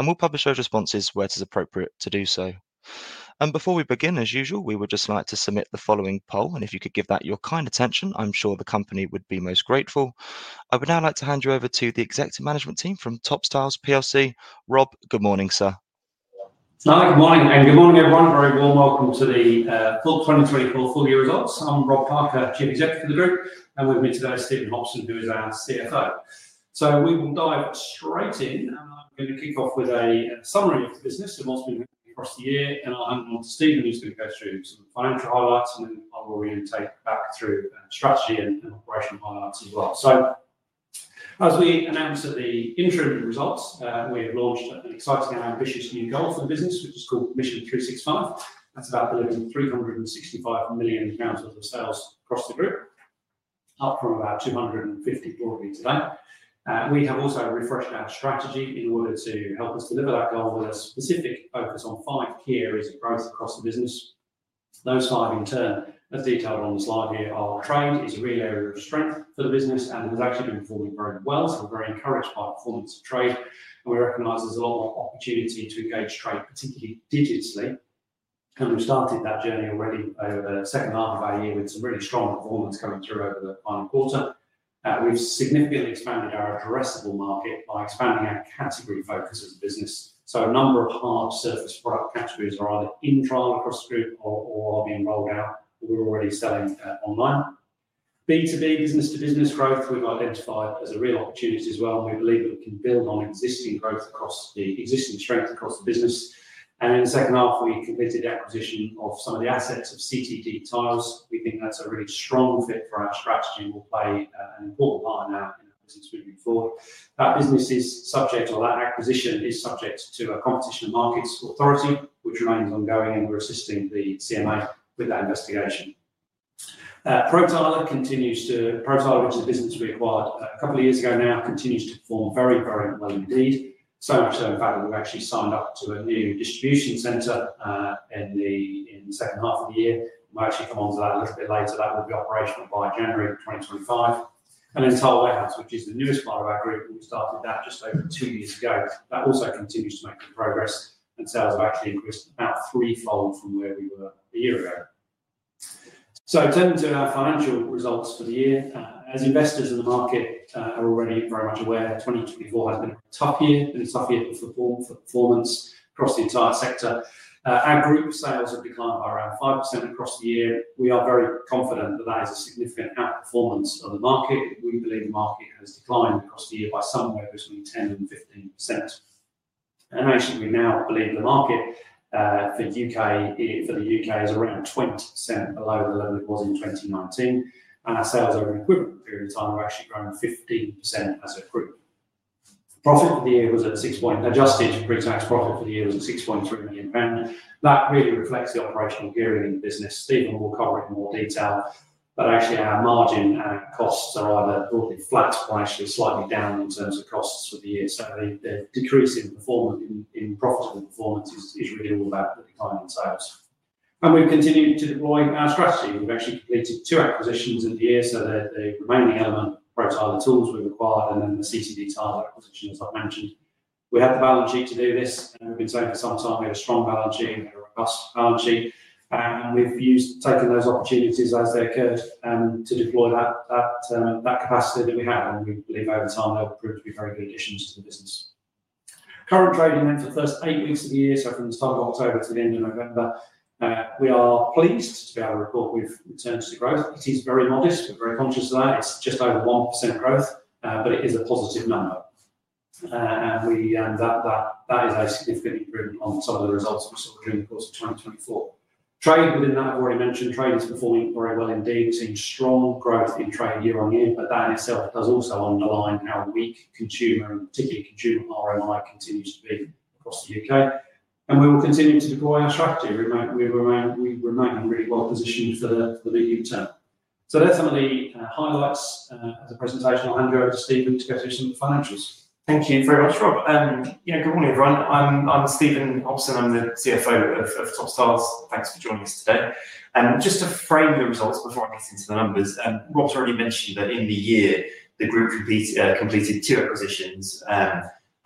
And we'll publish those responses where it is appropriate to do so. And before we begin, as usual, we would just like to submit the following poll, and if you could give that your kind attention, I'm sure the company would be most grateful. I would now like to hand you over to the executive management team from Topps Tiles PLC, Rob. Good morning, sir. Good morning, and good morning, everyone. Very warm welcome to the full 2024 full-year results. I'm Rob Parker, Chief Executive of the group, and with me today is Stephen Hopson, who is our CFO. So we will dive straight in, and I'm going to kick off with a summary of the business and what's been happening across the year. And I'll hand it on to Stephen, who's going to go through some financial highlights, and then I will really take you back through strategy and operational highlights as well. So as we announced at the interim results, we have launched an exciting and ambitious new goal for the business, which is called Mission 365. That's about delivering 365 million pounds worth of sales across the group, up from about 250 broadly today. We have also refreshed our strategy in order to help us deliver that goal with a specific focus on five key areas of growth across the business. Those five, in turn, as detailed on the slide here, are trade, which is a real area of strength for the business, and it has actually been performing very well. So we're very encouraged by the performance of trade, and we recognize there's a lot more opportunity to engage trade, particularly digitally. And we started that journey already over the second half of our year with some really strong performance coming through over the final quarter. We've significantly expanded our addressable market by expanding our category focus as a business. So a number of hard-surface product categories are either in trial across the group or are being rolled out, but we're already selling online. B2B, business-to-business growth, we've identified as a real opportunity as well, and we believe that we can build on existing growth across the existing strength across the business, and in the second half, we completed the acquisition of some of the assets of CTD Tiles. We think that's a really strong fit for our strategy and will play an important part in our business moving forward. That business is subject to, or that acquisition is subject to a Competition and Markets Authority, which remains ongoing, and we're assisting the CMA with that investigation. Pro Tiler, which is a business we acquired a couple of years ago now, continues to perform very, very well indeed. So much so, in fact, that we've actually signed up to a new distribution centre in the second half of the year. We'll actually come on to that a little bit later. That will be operational by January 2025. And then Tile Warehouse, which is the newest part of our group, and we started that just over two years ago. That also continues to make good progress, and sales have actually increased about threefold from where we were a year ago. So turning to our financial results for the year, as investors in the market are already very much aware, 2024 has been a tough year, been a tough year for performance across the entire sector. Our group sales have declined by around 5% across the year. We are very confident that that is a significant outperformance of the market. We believe the market has declined across the year by somewhere between 10% and 15%. Actually, we now believe the market for the U.K. is around 20% below the level it was in 2019, and our sales over an equivalent period of time have actually grown 15% as a group. Profit for the year was at £6 million. Adjusted pre-tax profit for the year was at £6.3 million. That really reflects the operational gearing in the business. Stephen will cover it in more detail, but actually our margin and our costs are either broadly flat or actually slightly down in terms of costs for the year. So the decrease in performance, in profitable performance, is really all about the decline in sales. And we've continued to deploy our strategy. We've actually completed two acquisitions in the year, so the remaining element, Pro Tiler, the tools we've acquired, and then the CTD Tiles acquisition, as I've mentioned. We had the balance sheet to do this, and we've been saying for some time we have a strong balance sheet and a robust balance sheet. We've taken those opportunities as they occurred to deploy that capacity that we have, and we believe over time they'll prove to be very good additions to the business. Current trading then for the first eight weeks of the year, so from the start of October to the end of November, we are pleased to be able to report we've returned to growth. It is very modest. We're very conscious of that. It's just over 1% growth, but it is a positive number. That is a significant improvement on some of the results we saw during the course of 2024. Trade within that, I've already mentioned, trade is performing very well indeed. We've seen strong growth in trade year on year, but that in itself does also underline how weak consumer, and particularly consumer RMI, continues to be across the U.K., and we will continue to deploy our strategy. We remain really well positioned for the medium term, so that's some of the highlights of the presentation. I'll hand you over to Stephen to go through some of the financials. Thank you very much, Rob. Good morning, everyone. I'm Stephen Hopson. I'm the CFO of Topps Tiles. Thanks for joining us today. Just to frame the results before I get into the numbers, Rob's already mentioned that in the year the group completed two acquisitions,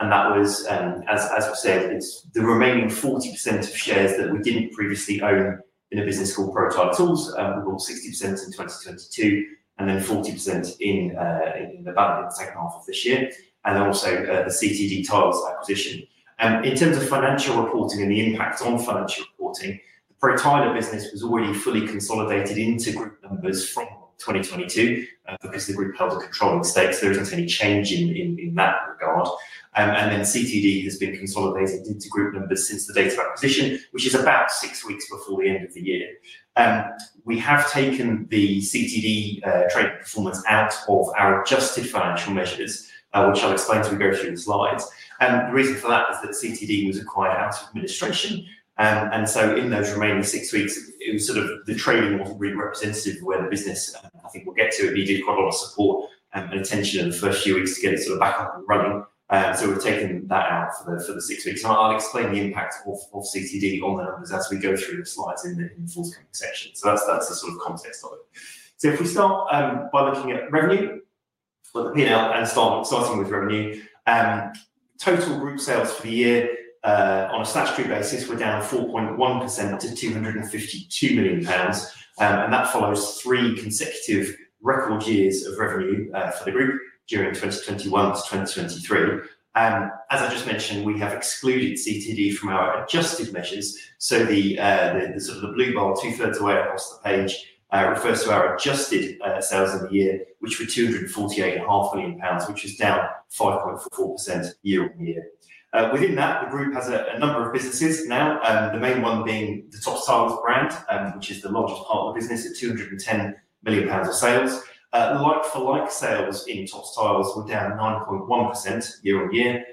and that was, as was said, it's the remaining 40% of shares that we didn't previously own in a business called Pro Tiler Tools, we bought 60% in 2022 and then 40% in the second half of this year, and then also the CTD Tiles acquisition. In terms of financial reporting and the impact on financial reporting, the Pro Tiler business was already fully consolidated into group numbers from 2022 because the group held a control of the stakes. There isn't any change in that regard. Then CTD has been consolidated into group numbers since the date of acquisition, which is about six weeks before the end of the year. We have taken the CTD trade performance out of our adjusted financial measures, which I'll explain as we go through the slides. The reason for that is that CTD was acquired out of administration. So in those remaining six weeks, it was sort of the trading wasn't really representative of where the business, I think we'll get to, it needed quite a lot of support and attention in the first few weeks to get it sort of back up and running. We've taken that out for the six weeks. I'll explain the impact of CTD on the numbers as we go through the slides in the forthcoming section. That's the sort of context of it. So if we start by looking at revenue, or the P&L, and starting with revenue, total group sales for the year on a statutory basis were down 4.1% to 252 million pounds. And that follows three consecutive record years of revenue for the group during 2021 to 2023. As I just mentioned, we have excluded CTD from our adjusted measures. So the sort of the blue bar, two-thirds away across the page, refers to our adjusted sales in the year, which were 248.5 million pounds, which was down 5.4% year on year. Within that, the group has a number of businesses now, the main one being the Topps Tiles brand, which is the largest part of the business at 210 million pounds of sales. Like-for-like sales in Topps Tiles were down 9.1% year on year,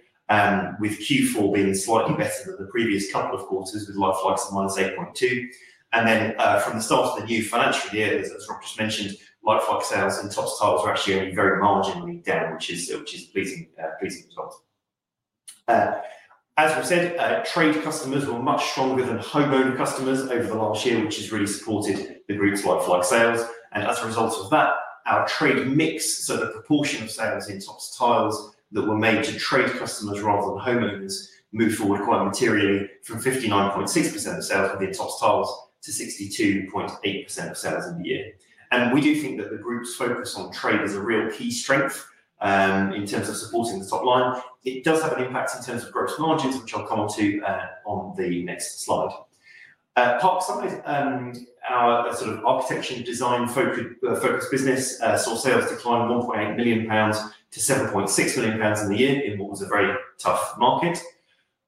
with Q4 being slightly better than the previous couple of quarters, with like-for-likes of minus 8.2. And then from the start of the new financial year, as Rob just mentioned, like-for-like sales in Topps Tiles were actually only very marginally down, which is pleasing results. As we said, trade customers were much stronger than homeowner customers over the last year, which has really supported the group's like-for-like sales. And as a result of that, our trade mix, so the proportion of sales in Topps Tiles that were made to trade customers rather than homeowners, moved forward quite materially from 59.6% of sales within Topps Tiles to 62.8% of sales in the year. And we do think that the group's focus on trade is a real key strength in terms of supporting the top line. It does have an impact in terms of gross margins, which I'll come on to on the next slide. Parkside, our sort of architecture and design-focused business, saw sales decline 1.8 million pounds to 7.6 million pounds in the year in what was a very tough market.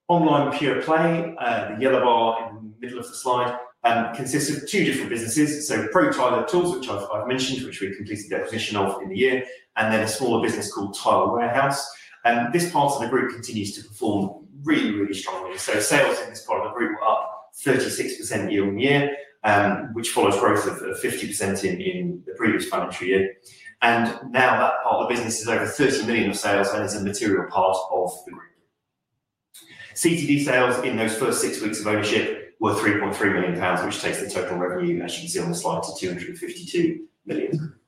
Online Pure Play, the yellow bar in the middle of the slide, consists of two different businesses. Pro Tiler Tools, which I've mentioned, which we completed the acquisition of in the year, and then a smaller business called Tile Warehouse. This part of the group continues to perform really, really strongly. Sales in this part of the group were up 36% year on year, which follows growth of 50% in the previous financial year. Now that part of the business is over 30 million of sales and is a material part of the group. CTD sales in those first six weeks of ownership were 3.3 million pounds, which takes the total revenue, as you can see on the slide, to 252 million.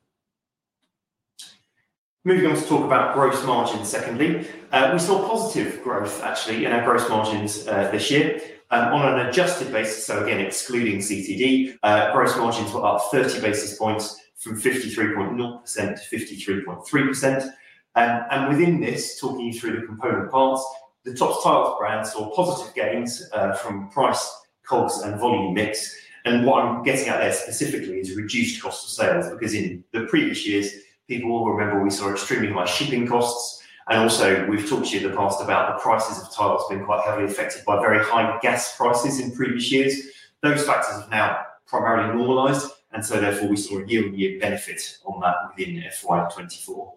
Moving on to talk about gross margins, secondly, we saw positive growth actually in our gross margins this year. On an adjusted basis, so again, excluding CTD, gross margins were up 30 basis points from 53.0% to 53.3%. And within this, talking you through the component parts, the Topps Tiles brand saw positive gains from price, costs, and volume mix. And what I'm getting at there specifically is reduced cost of sales because in the previous years, people will remember we saw extremely high shipping costs. And also, we've talked to you in the past about the prices of tiles being quite heavily affected by very high gas prices in previous years. Those factors have now primarily normalized, and so therefore we saw a year-on-year benefit on that within FY24.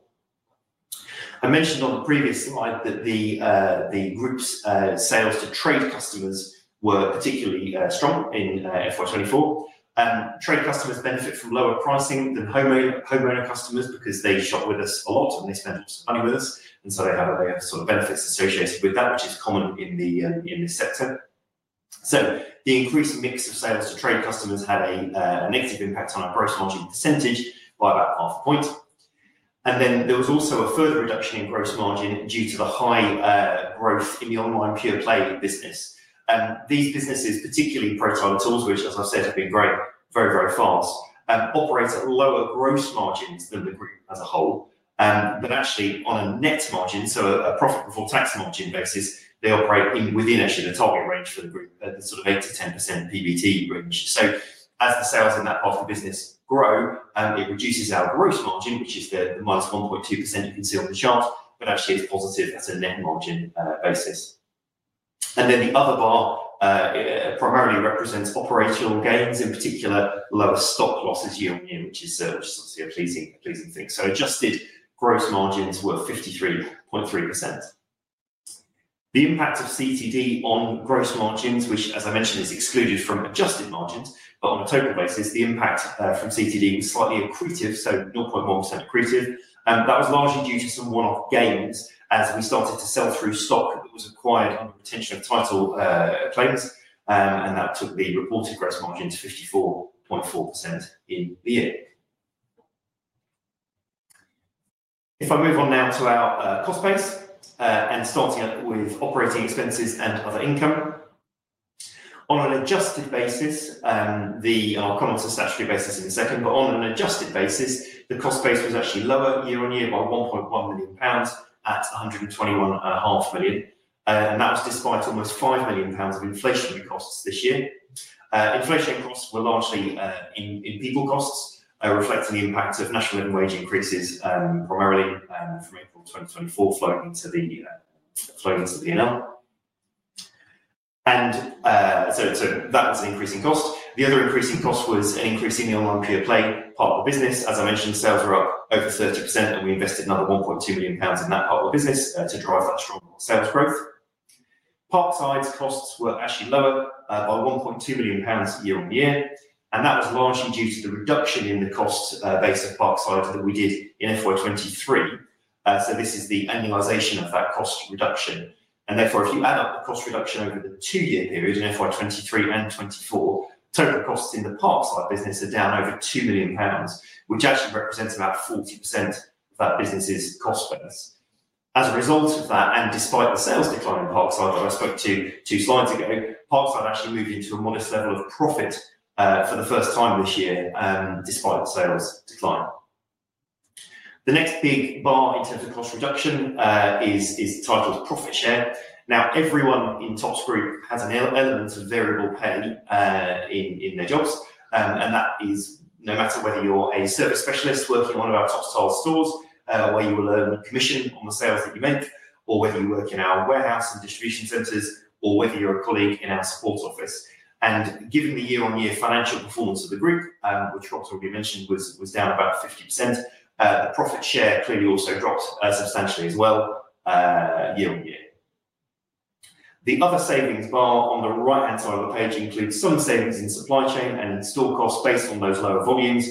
I mentioned on the previous slide that the group's sales to trade customers were particularly strong in FY24. Trade customers benefit from lower pricing than homeowner customers because they shop with us a lot and they spend lots of money with us, and so they have a sort of benefits associated with that, which is common in this sector. So the increased mix of sales to trade customers had a negative impact on our gross margin percentage by about half a point. And then there was also a further reduction in gross margin due to the high growth in the online Pure Play business. And these businesses, particularly Pro Tiler Tools, which, as I've said, have been growing very, very fast, operate at lower gross margins than the group as a whole. But actually, on a net margin, so a profit before tax margin basis, they operate within actually the target range for the group, the sort of 8%-10% PBT range. So as the sales in that part of the business grow, it reduces our gross margin, which is the minus 1.2% you can see on the chart, but actually it's positive at a net margin basis. And then the other bar primarily represents operational gains, in particular lower stock losses year on year, which is obviously a pleasing thing. So adjusted gross margins were 53.3%. The impact of CTD on gross margins, which, as I mentioned, is excluded from adjusted margins, but on a total basis, the impact from CTD was slightly accretive, so 0.1% accretive. And that was largely due to some one-off gains as we started to sell through stock that was acquired under the Retention of Title claims, and that took the reported gross margin to 54.4% in the year. If I move on now to our cost base and starting with operating expenses and other income. On an adjusted basis, I'll come on to the statutory basis in a second, but on an adjusted basis, the cost base was actually lower year on year by 1.1 million pounds at £121.5 million. And that was despite almost £5 million of inflationary costs this year. Inflationary costs were largely in people costs, reflecting the impact of National Living Wage increases primarily from April 2024 flowing into the P&L. And so that was an increasing cost. The other increasing cost was an increase in the online Pure Play part of the business. As I mentioned, sales were up over 30%, and we invested another 1.2p million in that part of the business to drive that strong sales growth. Parkside's costs were actually lower by 1.2p million year on year, and that was largely due to the reduction in the cost base of Parkside that we did in FY23. So this is the annualisation of that cost reduction. And therefore, if you add up the cost reduction over the two-year period in FY2023 and 2024, total costs in the Parkside business are down over £2 million, which actually represents about 40% of that business's cost base. As a result of that, and despite the sales decline in Parkside that I spoke to two slides ago, Parkside actually moved into a modest level of profit for the first time this year despite the sales decline. The next big bar in terms of cost reduction is tiles profit share. Now, everyone in Topps Group has an element of variable pay in their jobs, and that is no matter whether you're a service specialist working in one of our Topps Tiles stores, where you will earn commission on the sales that you make, or whether you work in our warehouse and distribution centers, or whether you're a colleague in our support office. And given the year-on-year financial performance of the group, which Rob's already mentioned, was down about 50%, the profit share clearly also dropped substantially as well year on year. The other savings bar on the right-hand side of the page includes some savings in supply chain and in store costs based on those lower volumes.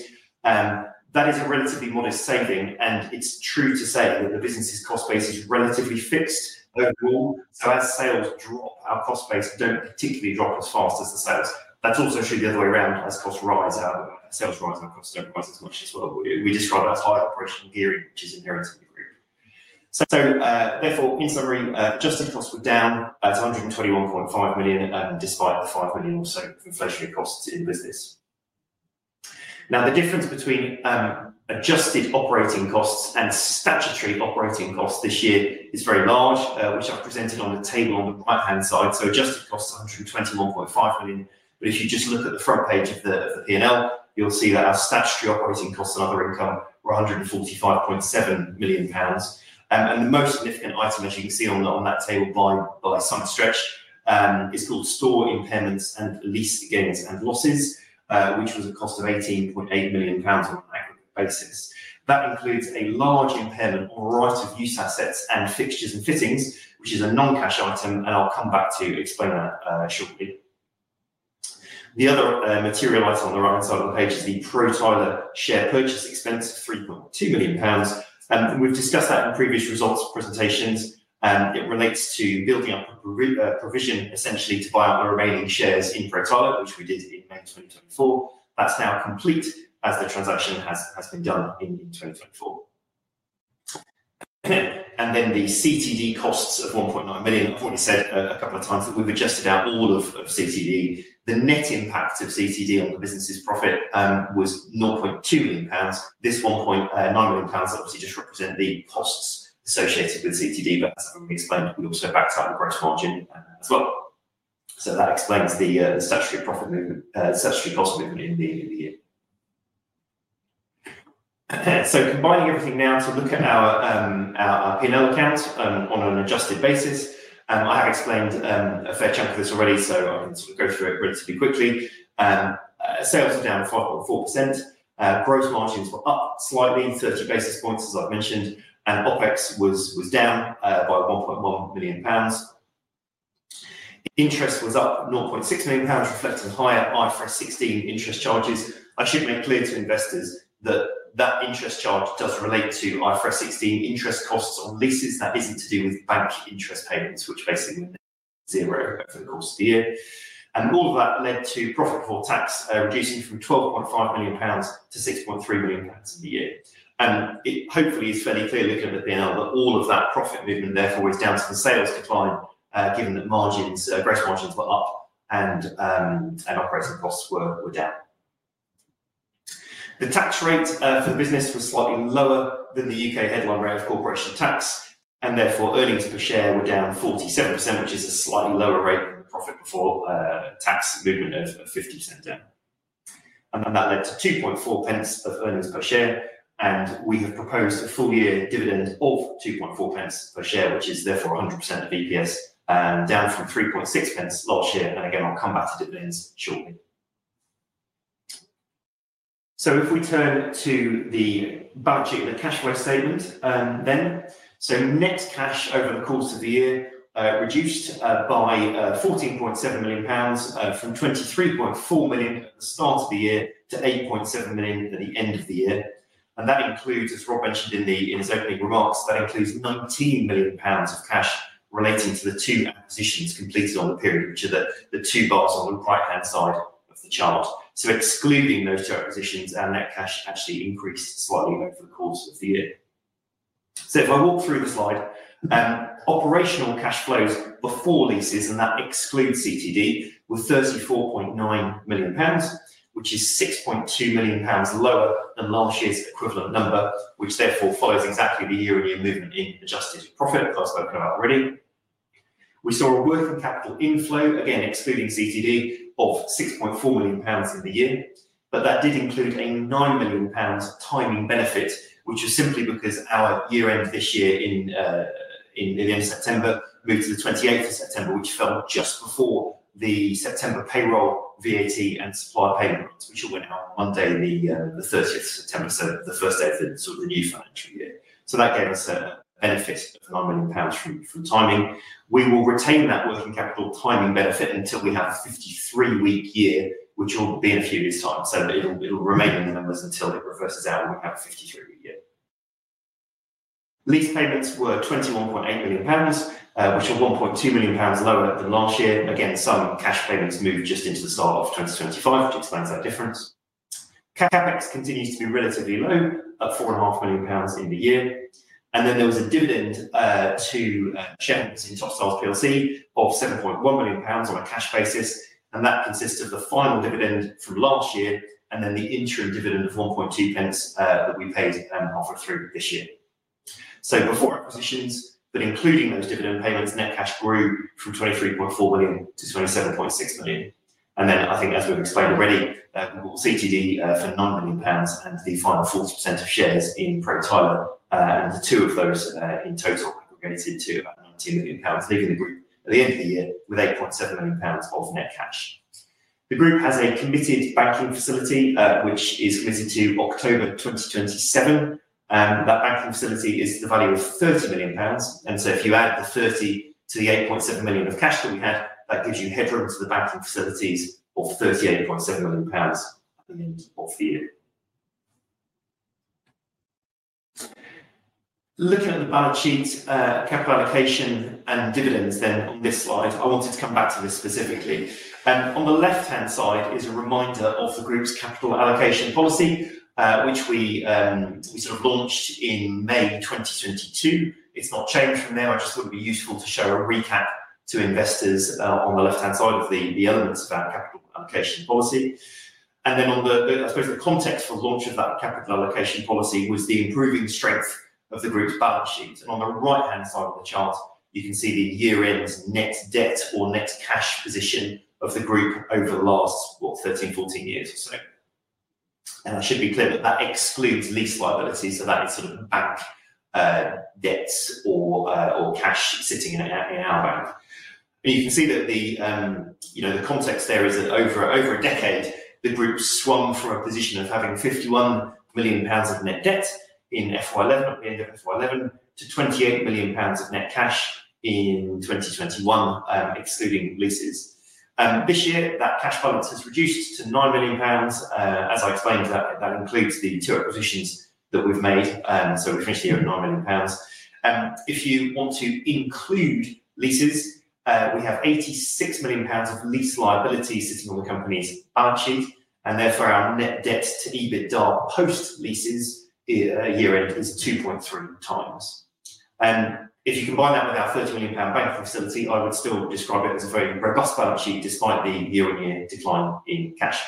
That is a relatively modest saving, and it's true to say that the business's cost base is relatively fixed overall. So as sales drop, our cost base don't particularly drop as fast as the sales. That's also true the other way around. As costs rise, our sales rise, our costs don't rise as much as well. We describe that as high operational gearing, which is inherent in the group. So therefore, in summary, adjusted costs were down to 121.5 million despite the 5 million or so inflationary costs in business. Now, the difference between adjusted operating costs and statutory operating costs this year is very large, which I've presented on the table on the right-hand side. So adjusted costs are 121.5 million. But if you just look at the front page of the P&L, you'll see that our statutory operating costs and other income were 145.7 million pounds. And the most significant item, as you can see on that table by some stretch, is called store impairments and lease gains and losses, which was a cost of £18.8 million on an aggregate basis. That includes a large impairment on right-of-use assets and fixtures and fittings, which is a non-cash item, and I'll come back to explain that shortly. The other material item on the right-hand side of the page is the Pro Tiler share purchase expense, £3.2 million. And we've discussed that in previous results presentations. It relates to building up provision essentially to buy out the remaining shares in Pro Tiler, which we did in May 2024. That's now complete as the transaction has been done in 2024. And then the CTD costs of £1.9 million. I've already said a couple of times that we've adjusted out all of CTD. The net impact of CTD on the business's profit was £0.2 million. This £1.9 million obviously just represents the costs associated with CTD, but as I've explained, we also backed up the gross margin as well, so that explains the statutory profit movement, statutory cost movement in the year, so combining everything now to look at our P&L account on an adjusted basis, I have explained a fair chunk of this already, so I can sort of go through it relatively quickly. Sales are down 4%. Gross margins were up slightly, 30 basis points, as I've mentioned, and OPEX was down by £1.1 million. Interest was up £0.6 million, reflecting higher IFRS 16 interest charges. I should make clear to investors that that interest charge does relate to IFRS 16 interest costs on leases. That isn't to do with bank interest payments, which basically meant zero over the course of the year, and all of that led to profit before tax reducing from £12.5 million to £6.3 million a year, and it hopefully is fairly clear looking at the P&L that all of that profit movement therefore is down to the sales decline, given that gross margins were up and operating costs were down. The tax rate for the business was slightly lower than the U.K. headline rate of corporation tax, and therefore, earnings per share were down 47%, which is a slightly lower rate than the profit before tax movement of 50% down, and then that led to 2.4p of earnings per share, and we have proposed a full year dividend of 2.4p per share, which is therefore 100% of EPS, down from 3.6p last year. And again, I'll come back to dividends shortly. So if we turn to the budget and the cash flow statement then, so net cash over the course of the year reduced by 14.7 million pounds from 23.4 million at the start of the year to 8.7 million at the end of the year. And that includes, as Rob mentioned in his opening remarks, 19 million pounds of cash relating to the two acquisitions completed on the period, which are the two bars on the right-hand side of the chart. So excluding those two acquisitions, our net cash actually increased slightly over the course of the year. So if I walk through the slide, operational cash flows before leases, and that excludes CTD, were 34.9 million pounds, which is 6.2 million pounds lower than last year's equivalent number, which therefore follows exactly the year-on-year movement in adjusted profit that I've spoken about already. We saw a working capital inflow, again excluding CTD, of 6.4 million pounds in the year. But that did include a 9 million pounds timing benefit, which was simply because our year-end this year in the end of September moved to the 28th of September, which fell just before the September payroll VAT and supplier payments, which all went out on Monday, the 30th of September, so the first day of sort of the new financial year. So that gave us a benefit of 9 million pounds from timing. We will retain that working capital timing benefit until we have a 53-week year, which will be in a few years' time. So it'll remain in the numbers until it reverses out and we have a 53-week year. Lease payments were 21.8 million pounds, which are 1.2 million pounds lower than last year. Again, some cash payments moved just into the start of 2025, which explains that difference. CapEx continues to be relatively low, at £4.5 million in the year. And then there was a dividend to shareholders in Topps Tiles PLC of £7.1 million on a cash basis. And that consists of the final dividend from last year and then the interim dividend of 1.2p that we paid after through this year. So before acquisitions, but including those dividend payments, net cash grew from £23.4 million to £27.6 million. And then I think, as we've explained already, we bought CTD for £9 million and the final 40% of shares in Pro Tiler, and the two of those in total aggregated to about £19 million leaving the group at the end of the year with £8.7 million of net cash. The group has a committed banking facility, which is committed to October 2027. That banking facility is the value of £30 million. And so if you add the 30 to the £8.7 million of cash that we had, that gives you headroom to the banking facilities of £38.7 million at the end of the year. Looking at the balance sheet, capital allocation and dividends then on this slide, I wanted to come back to this specifically. And on the left-hand side is a reminder of the group's capital allocation policy, which we sort of launched in May 2022. It's not changed from there. I just thought it would be useful to show a recap to investors on the left-hand side of the elements of our capital allocation policy. And then on the, I suppose, the context for the launch of that capital allocation policy was the improving strength of the group's balance sheet. And on the right-hand side of the chart, you can see the year-end net debt or net cash position of the group over the last, well, 13, 14 years or so. And I should be clear that that excludes lease liabilities. So that is sort of bank debts or cash sitting in our bank. And you can see that the context there is that over a decade, the group swung from a position of having £51 million of net debt in FY11, at the end of FY11, to £28 million of net cash in 2021, excluding leases. This year, that cash balance has reduced to £9 million. As I explained, that includes the two acquisitions that we've made. So we've finished the year at £9 million. If you want to include leases, we have £86 million of lease liabilities sitting on the company's balance sheet. And therefore, our net debt to EBITDA post leases year-end is 2.3 times. And if you combine that with our 30 million pound banking facility, I would still describe it as a very robust balance sheet despite the year-on-year decline in cash.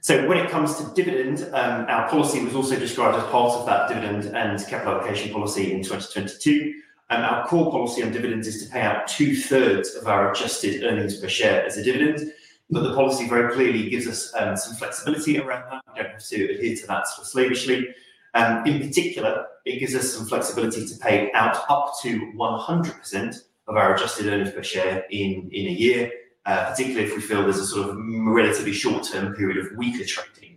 So when it comes to dividends, our policy was also described as part of that dividend and capital allocation policy in 2022. Our core policy on dividends is to pay out two-thirds of our adjusted earnings per share as a dividend. But the policy very clearly gives us some flexibility around that. We don't have to adhere to that slavishly. In particular, it gives us some flexibility to pay out up to 100% of our adjusted earnings per share in a year, particularly if we feel there's a sort of relatively short-term period of weaker trading.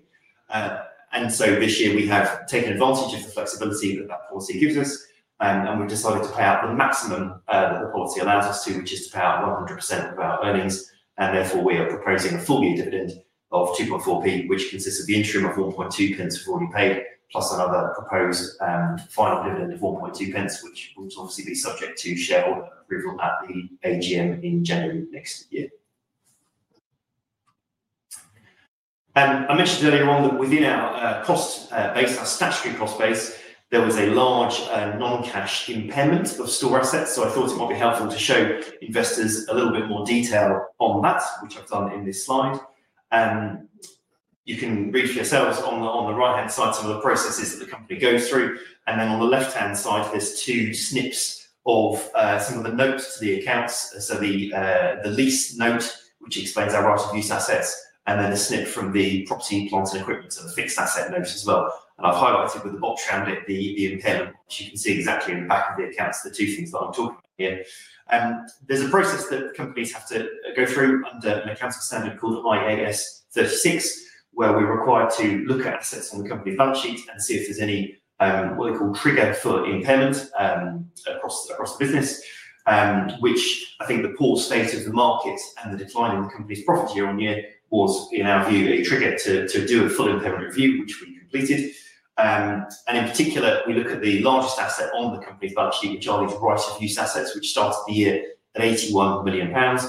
And so this year, we have taken advantage of the flexibility that that policy gives us. And we've decided to pay out the maximum that the policy allows us to, which is to pay out 100% of our earnings. And therefore, we are proposing a full year dividend of 2.4p, which consists of the interim of 1.2p0 we've already paid, plus another proposed final dividend of 1.2p0, which will obviously be subject to shareholder approval at the AGM in January next year. I mentioned earlier on that within our cost base, our statutory cost base, there was a large non-cash impairment of store assets. So I thought it might be helpful to show investors a little bit more detail on that, which I've done in this slide. You can read for yourselves on the right-hand side some of the processes that the company goes through. And then on the left-hand side, there's two snips of some of the notes to the accounts. So the lease note, which explains our right-of-use assets, and then a snip from the property, plant, and equipment, so the fixed asset note as well. And I've highlighted with the box around it the impairment, which you can see exactly in the back of the accounts: the two things that I'm talking about here. There's a process that companies have to go through under an accounting standard called IAS 36, where we're required to look at assets on the company balance sheet and see if there's any, what they call, trigger for impairment across the business, which I think the poor state of the market and the decline in the company's profit year-on-year was, in our view, a trigger to do a full impairment review, which we completed. In particular, we look at the largest asset on the company's balance sheet, which are these right-of-use assets, which started the year at 81 million pounds.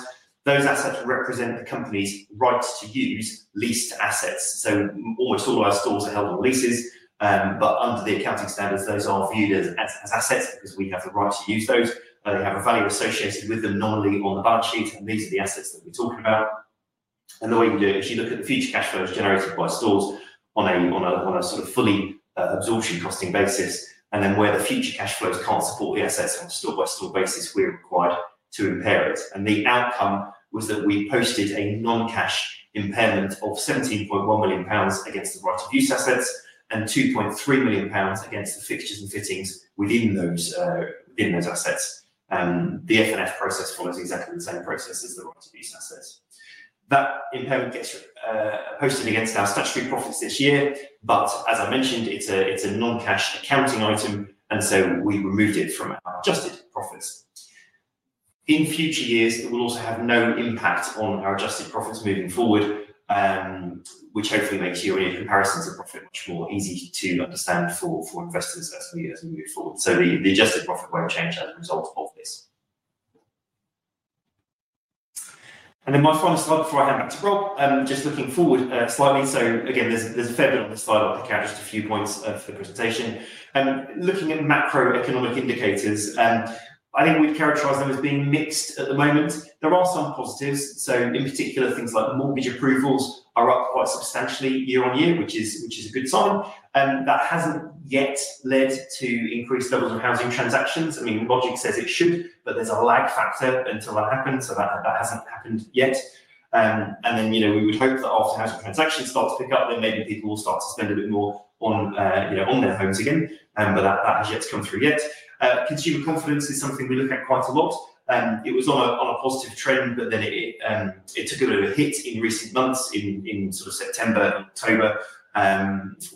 Those assets represent the company's right-of-use leased assets. So almost all our stores are held on leases. But under the accounting standards, those are viewed as assets because we have the right to use those. They have a value associated with them normally on the balance sheet. These are the assets that we're talking about. The way you do it is you look at the future cash flows generated by stores on a sort of fully absorption costing basis. Then where the future cash flows can't support the assets on a store-by-store basis, we're required to impair it. The outcome was that we posted a non-cash impairment of 17.1 million pounds against the right-of-use assets and 2.3 million pounds against the fixtures and fittings within those assets. The F&F process follows exactly the same process as the right-of-use assets. That impairment gets posted against our statutory profits this year. As I mentioned, it's a non-cash accounting item. We removed it from our adjusted profits. In future years, it will also have no impact on our adjusted profits moving forward, which hopefully makes year-on-year comparisons of profit much more easy to understand for investors as we move forward. The adjusted profit won't change as a result of this. Then my final slide before I hand back to Rob, just looking forward slightly. Again, there's a fair bit on this slide. I'll pick out just a few points for the presentation. Looking at macroeconomic indicators, I think we'd characterize them as being mixed at the moment. There are some positives, so in particular, things like mortgage approvals are up quite substantially year-on-year, which is a good sign. That hasn't yet led to increased levels of housing transactions. I mean, logic says it should, but there's a lag factor until that happens, so that hasn't happened yet, and then we would hope that after housing transactions start to pick up, then maybe people will start to spend a bit more on their homes again, but that has yet to come through yet. Consumer confidence is something we look at quite a lot. It was on a positive trend, but then it took a bit of a hit in recent months in sort of September and October.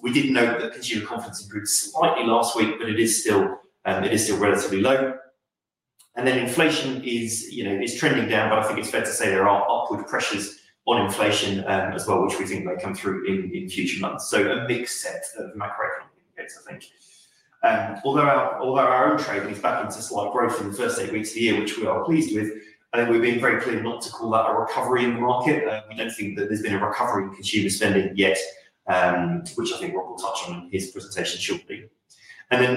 We did note that consumer confidence improved slightly last week, but it is still relatively low. Inflation is trending down, but I think it's fair to say there are upward pressures on inflation as well, which we think may come through in future months. So a mixed set of macroeconomic indicators, I think. Although our own trading is back into slight growth in the first eight weeks of the year, which we are pleased with, I think we've been very clear not to call that a recovery in the market. We don't think that there's been a recovery in consumer spending yet, which I think Rob will touch on in his presentation shortly.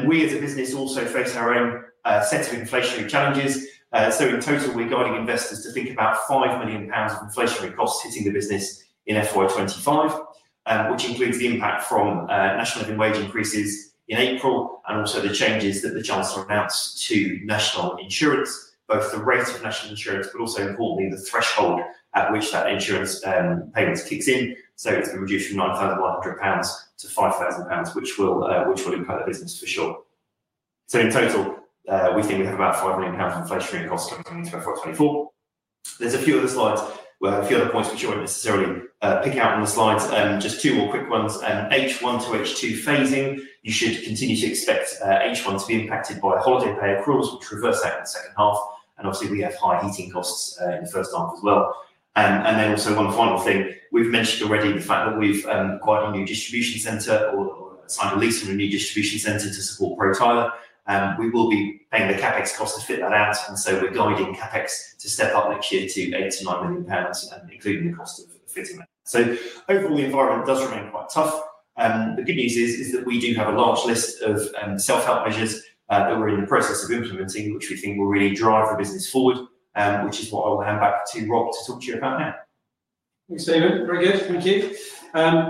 We as a business also face our own set of inflationary challenges. In total, we're guiding investors to think about £5 million of inflationary costs hitting the business in FY25, which includes the impact from national living wage increases in April and also the changes that the Chancellor announced to National Insurance, both the rate of National Insurance, but also importantly, the threshold at which that insurance payment kicks in. So it's been reduced from £9,100 to £5,000, which will impact the business for sure. So in total, we think we have about £5 million of inflationary costs coming into FY24. There's a few other slides where a few other points which you won't necessarily pick out on the slides. Just two more quick ones. H1 to H2 phasing, you should continue to expect H1 to be impacted by holiday pay accruals, which reverse out in the second half. And obviously, we have high heating costs in the first half as well. And then also one final thing, we've mentioned already the fact that we've acquired a new distribution center or signed a lease from a new distribution center to support Pro Tiler. We will be paying the CapEx cost to fit that out. And so we're guiding CapEx to step up next year to 8-9 million pounds, including the cost of fitting that. So overall, the environment does remain quite tough. The good news is that we do have a large list of self-help measures that we're in the process of implementing, which we think will really drive the business forward, which is what I will hand back to Rob to talk to you about now. Thanks, Stephen. Very good. Thank you.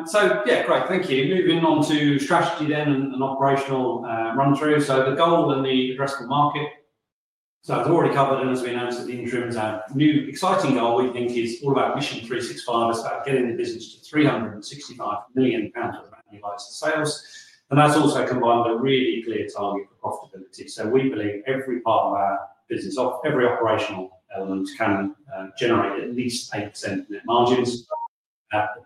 So yeah, great. Thank you. Moving on to strategy then and operational run-through. The goal and the addressable market. So it's already covered. And as we announced at the interim, our new exciting goal we think is all about Mission 365. It's about getting the business to £365 million of annualized sales. And that's also combined with a really clear target for profitability. So we believe every part of our business, every operational element can generate at least 8% net margins.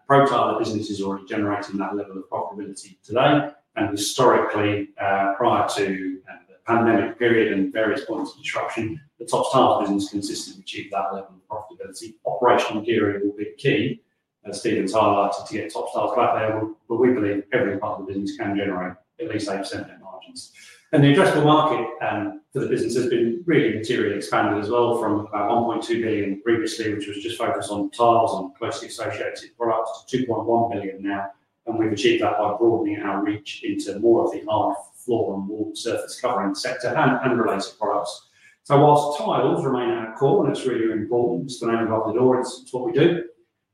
Pro Tiler, the business, is already generating that level of profitability today. And historically, prior to the pandemic period and various points of disruption, the Topps Tiles business consistently achieved that level of profitability. Operational gearing will be key, as Stephen's highlighted, to get Topps Tiles back there. But we believe every part of the business can generate at least 8% net margins. The addressable market for the business has been really materially expanded as well from about 1.2 billion previously, which was just focused on tiles and closely associated products, to 2.1 billion now. We've achieved that by broadening our reach into more of the hard floor and wall surface covering sector and related products. While tiles remain our core, and it's really important to the name of our business, it's what we do.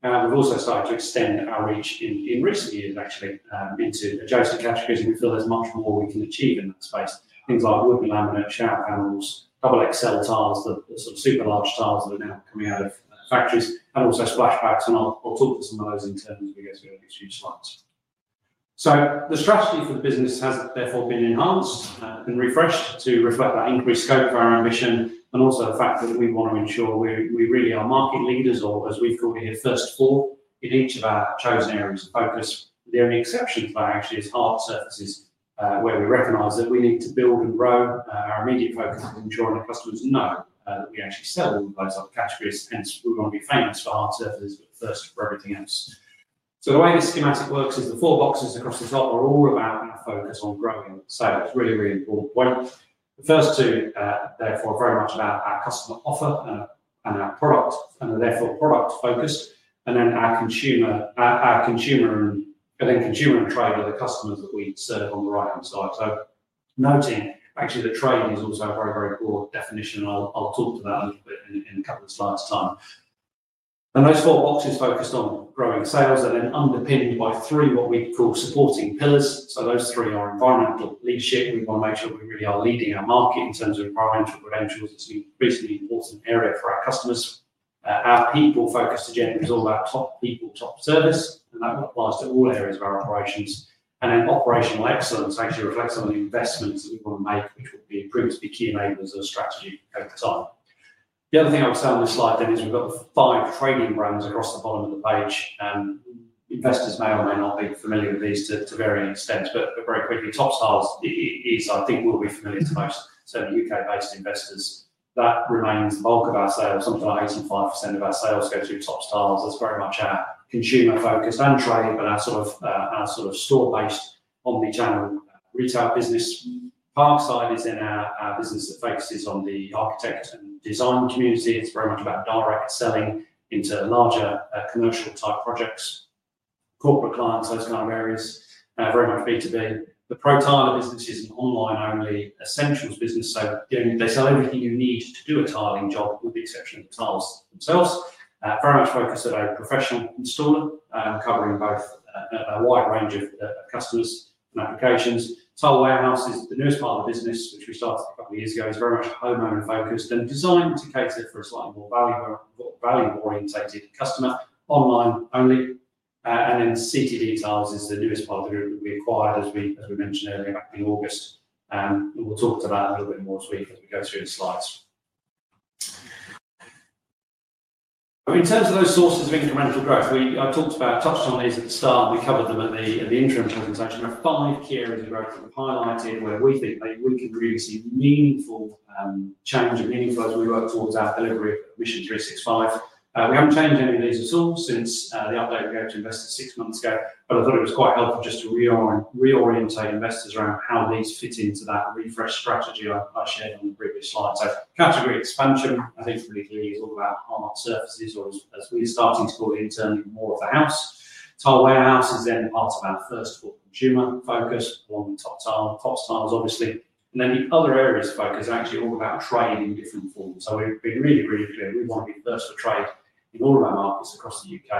We've also started to extend our reach in recent years, actually, into adjacent categories. We feel there's much more we can achieve in that space. Things like wood, laminate shower panels, XXL tiles, the sort of super large tiles that are now coming out of factories, and also splashbacks. I'll talk to some of those in terms as we go through the next few slides. So the strategy for the business has therefore been enhanced and refreshed to reflect that increased scope for our ambition and also the fact that we want to ensure we really are market leaders, or as we've called it here, first for in each of our chosen areas of focus. The only exception to that, actually, is hard surfaces where we recognize that we need to build and grow. Our immediate focus is ensuring the customers know that we actually sell all those other categories. Hence, we're going to be famous for hard surfaces, but first for everything else. So the way this schematic works is the four boxes across the top are all about our focus on growing sales. Really, really important point. The first two, therefore, are very much about our customer offer and our product and are therefore product-focused. And then our consumer and trade are the customers that we serve on the right-hand side. So noting, actually, that trade is also a very, very broad definition. I'll talk to that a little bit in a couple of slides' time. And those four boxes focused on growing sales are then underpinned by three, what we call supporting pillars. So those three are environmental leadership. We want to make sure we really are leading our market in terms of environmental credentials, which is an increasingly important area for our customers. Our people focus to generally is all about top people, top service. And that applies to all areas of our operations. And then operational excellence actually reflects some of the investments that we want to make, which will be proven to be key enablers of strategy over time. The other thing I would say on this slide then is we've got the five trading brands across the bottom of the page. Investors may or may not be familiar with these to varying extents. But very quickly, Topps Tiles is, I think, will be familiar to most certainly U.K.-based investors. That remains the bulk of our sales. Something like 85% of our sales go through Topps Tiles. That's very much our consumer-focused and trade, but our sort of store-based omnichannel retail business. Parkside is in our business that focuses on the architect and design community. It's very much about direct selling into larger commercial-type projects, corporate clients, those kind of areas, very much B2B. The Pro Tiler business is an online-only essentials business. So they sell everything you need to do a tiling job with the exception of the tiles themselves. Very much focused at a professional installer, covering both a wide range of customers and applications. Tile Warehouse is the newest part of the business, which we started a couple of years ago. It's very much home-owner-focused and designed to cater for a slightly more value-oriented customer, online-only. And then CTD Tiles is the newest part of the group that we acquired, as we mentioned earlier, back in August. And we'll talk to that a little bit more this week as we go through the slides. In terms of those sources of incremental growth, I talked about, touched on these at the start, and we covered them at the interim presentation. There are five key areas of growth that we've highlighted where we think we can really see meaningful change and meaningful as we work towards our delivery of Mission 365. We haven't changed any of these at all since the update we gave to investors six months ago. But I thought it was quite helpful just to reorientate investors around how these fit into that refresh strategy I shared on the previous slide. So category expansion, I think, is really clearly all about hard surfaces, or as we're starting to call it internally, more of the house. Tile Warehouse is then part of our first-floor consumer focus along with Topps Tiles, obviously. And then the other areas of focus are actually all about trade in different forms. So we've been really, really clear we want to be first for trade in all of our markets across the U.K.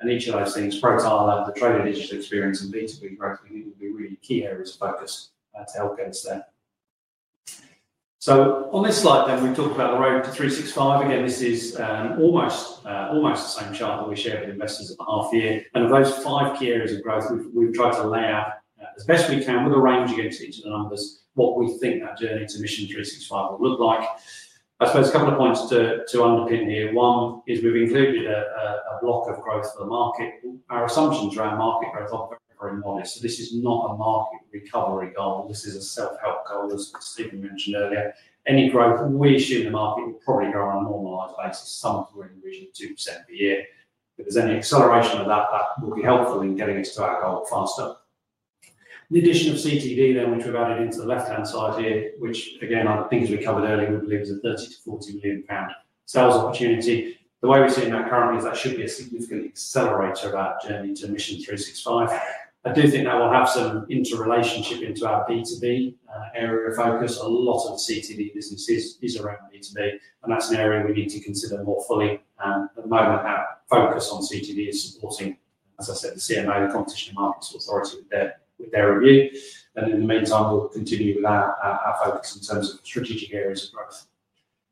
And each of those things, Pro Tiler, the trade and digital experience, and B2B growth, we think will be really key areas of focus to help get us there. So on this slide then, we talk about the road to 365. Again, this is almost the same chart that we shared with investors at the half year. And of those five key areas of growth, we've tried to lay out as best we can, with a range against each of the numbers, what we think that journey to Mission 365 will look like. I suppose a couple of points to underpin here. One is we've included a block of growth for the market. Our assumptions around market growth are very modest. So this is not a market recovery goal. This is a self-help goal, as Stephen mentioned earlier. Any growth we assume the market will probably grow on a normalized basis, somewhere in the region of 2% per year. If there's any acceleration of that, that will be helpful in getting us to our goal faster. The addition of CTD then, which we've added into the left-hand side here, which, again, are the things we covered earlier, we believe is a 30-40 million pound sales opportunity. The way we're seeing that currently is that should be a significant accelerator of our journey to Mission 365. I do think that will have some interrelationship into our B2B area of focus. A lot of CTD business is around B2B, and that's an area we need to consider more fully. At the moment, our focus on CTD is supporting, as I said, the CMA, the Competition and Markets Authority, with their review, and in the meantime, we'll continue with our focus in terms of strategic areas of growth,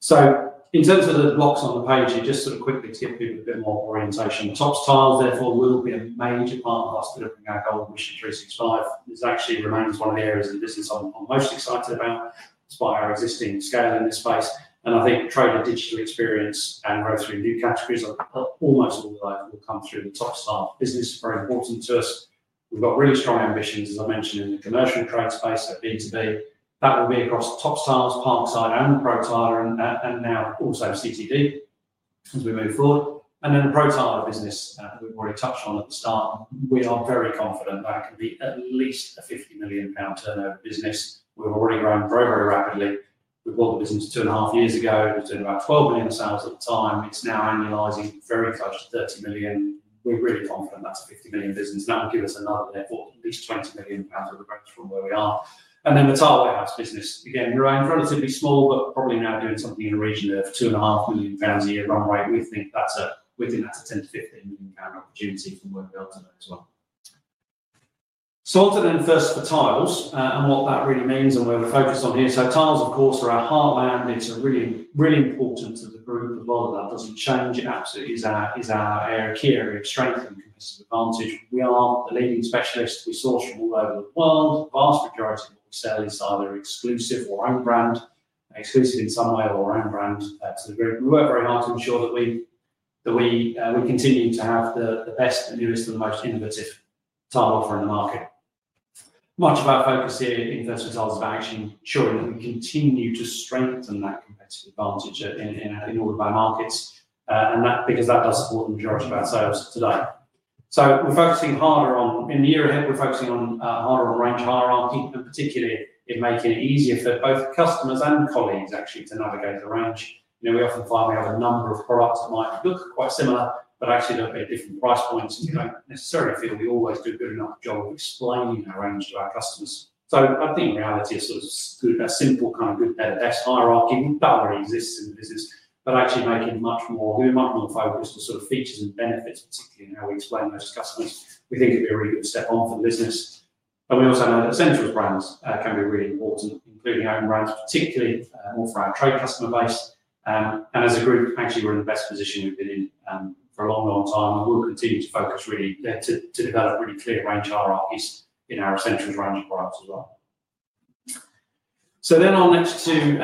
so in terms of the blocks on the page, just sort of quickly to give people a bit more orientation. Topps Tiles, therefore, will be a major part of us delivering our goal of Mission 365. This actually remains one of the areas the business is most excited about, despite our existing scale in this space. And I think trade and digital experience and growth through new categories almost all the way will come through the Topps Tiles business. It's very important to us. We've got really strong ambitions, as I mentioned, in the commercial trade space, so B2B. That will be across Topps Tiles, Parkside, and Pro Tiler, and now also CTD as we move forward. And then the Pro Tiler business, we've already touched on at the start. We are very confident that it can be at least a uncertain turnover business. We've already grown very, very rapidly. We bought the business two and a half years ago. It was doing about 12 million sales at the time. It's now annualizing very close to £30 million. We're really confident that's a £50 million business, and that will give us another, therefore, at least £20 million of growth from where we are, and then the Tile Warehouse business. Again, we're relatively small, but probably now doing something in the region of £2.5 million a year run rate. We think that's a £10 to £15 million opportunity from where we are today as well, so I'll turn then first to the tiles and what that really means and where we focus on here, so tiles, of course, are our heartland. It's really important to the group. A lot of that doesn't change. It absolutely is our key area of strength and competitive advantage. We are the leading specialists. We source from all over the world. The vast majority of what we sell is either exclusive or own brand, exclusive in some way or own brand to the group. We work very hard to ensure that we continue to have the best, the newest, and the most innovative tile offer in the market. Much of our focus here in our Pro Tiler is about actually ensuring that we continue to strengthen that competitive advantage in all of our markets because that does support the majority of our sales today. We're focusing harder on, in the year ahead, we're focusing harder on range hierarchy and particularly in making it easier for both customers and colleagues actually to navigate the range. We often find we have a number of products that might look quite similar, but actually they're a bit different price points. We don't necessarily feel we always do a good enough job explaining our range to our customers. So I think reality is sort of a simple kind of Good, Better, Best hierarchy. That already exists in the business. But actually making much more, giving much more focus to sort of features and benefits, particularly in how we explain those to customers, we think it'd be a really good step on for the business. And we also know that essential brands can be really important, including our own brands, particularly more for our trade customer base. And as a group, actually, we're in the best position we've been in for a long, long time. And we'll continue to focus really to develop really clear range hierarchies in our essential range of products as well. So then our next two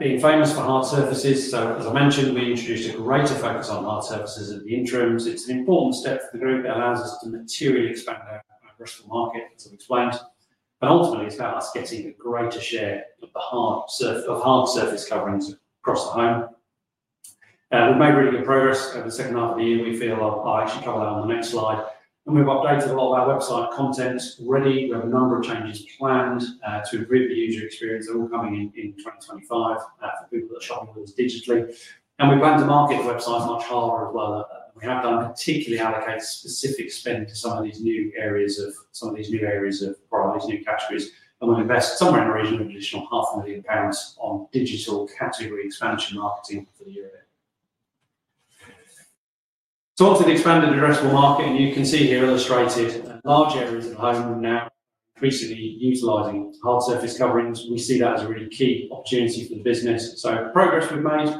being famous for hard surfaces. So as I mentioned, we introduced a greater focus on hard surfaces at the interims. It's an important step for the group. It allows us to materially expand our retail market, as I've explained. But ultimately, it's about us getting a greater share of hard surface coverings across the home. We've made really good progress over the second half of the year. We feel. I'll actually cover that on the next slide. We've updated a lot of our website content already. We have a number of changes planned to improve the user experience. They're all coming in 2025 for people that are shopping with us digitally. We plan to market the website much harder as well. We have particularly allocated specific spend to some of these new areas of products, these new categories. And we'll invest somewhere in the region of an additional uncertain on digital category expansion marketing for the year ahead. So obviously, the expanded addressable market, and you can see here illustrated, large areas of the home now are increasingly utilizing hard surface coverings. We see that as a really key opportunity for the business. So progress we've made.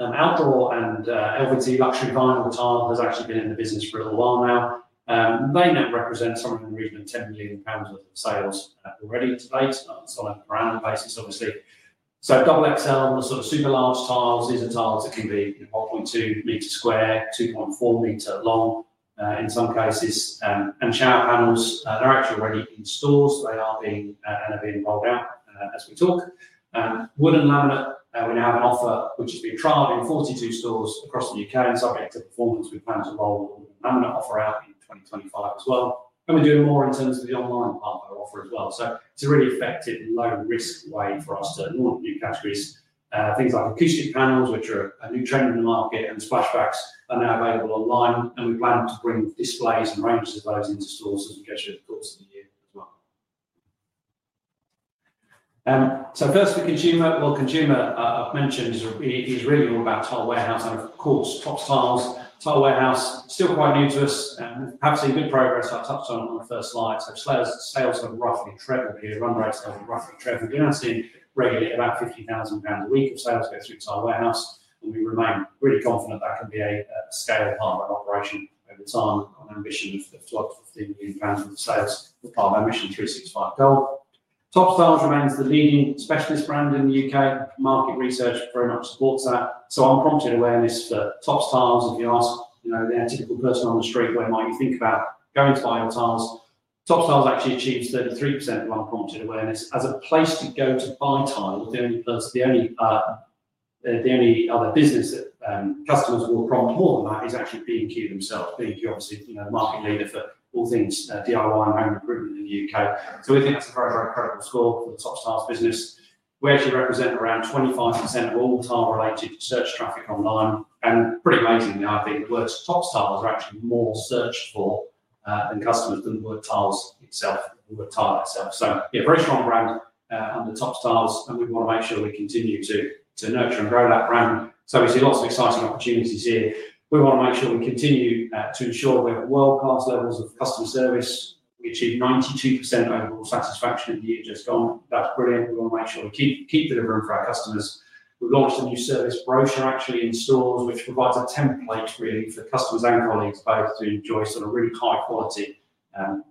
Outdoor and LVT luxury vinyl tile has actually been in the business for a little while now. They now represent somewhere in the region of 10 million pounds of sales already to date, on a round basis, obviously. So XXL, the sort of super large tiles, these are tiles that can be 1.2 meters square, 2.4 meters long in some cases. And shower panels, they're actually already in stores. They are being rolled out as we talk. Wood and laminate, we now have an offer which has been trialed in 42 stores across the U.K. and subject to performance. We plan to roll the laminate offer out in 2025 as well, and we're doing more in terms of the online part of our offer as well. It's a really effective low-risk way for us to launch new categories. Things like acoustic panels, which are a new trend in the market, and splashbacks are now available online. We plan to bring displays and ranges of those into stores as we get through the course of the year as well. First, the consumer, well, consumer, I've mentioned, is really all about Tile Warehouse. Of course, Topps Tiles Tile Warehouse, still quite new to us, have seen good progress. I touched on it on the first slide. Sales have roughly trebled here. Run rates have roughly trebled. We've been seeing regularly about 50,000 pounds a week of sales go through Tile Warehouse. We remain really confident that can be a scale part of our operation over time. Our ambition of 12-15 million pounds with sales is part of our Mission 365 goal. Topps Tiles remains the leading specialist brand in the U.K. Market research very much supports that. Unprompted awareness for Topps Tiles, if you ask the typical person on the street, where might you think about going to buy your tiles? Topps Tiles actually achieves 33% of unprompted awareness as a place to go to buy tile. The only other business that customers will prompt more than that is actually B&Q themselves. B&Q, obviously, the market leader for all things DIY and home improvement in the U.K. So we think that's a very, very credible score for the Topps Tiles business. We actually represent around 25% of all tile-related search traffic online. And pretty amazingly, I think the words Topps Tiles are actually more searched for than customers than the word Tiles itself, the word tile itself. So yeah, very strong brand under Topps Tiles. And we want to make sure we continue to nurture and grow that brand. So we see lots of exciting opportunities here. We want to make sure we continue to ensure we have world-class levels of customer service. We achieved 92% overall satisfaction in the year just gone. That's brilliant. We want to make sure we keep delivering for our customers. We've launched a new service brochure actually in stores, which provides a template really for customers and colleagues both to enjoy sort of really high-quality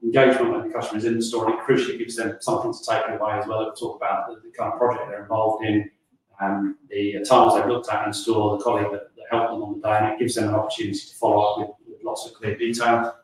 engagement when the customer is in the store, and it crucially gives them something to take with them as well. We talk about the kind of project they're involved in, the tiles they've looked at in store, the colleague that helped them on the day, and it gives them an opportunity to follow up with lots of clear detail.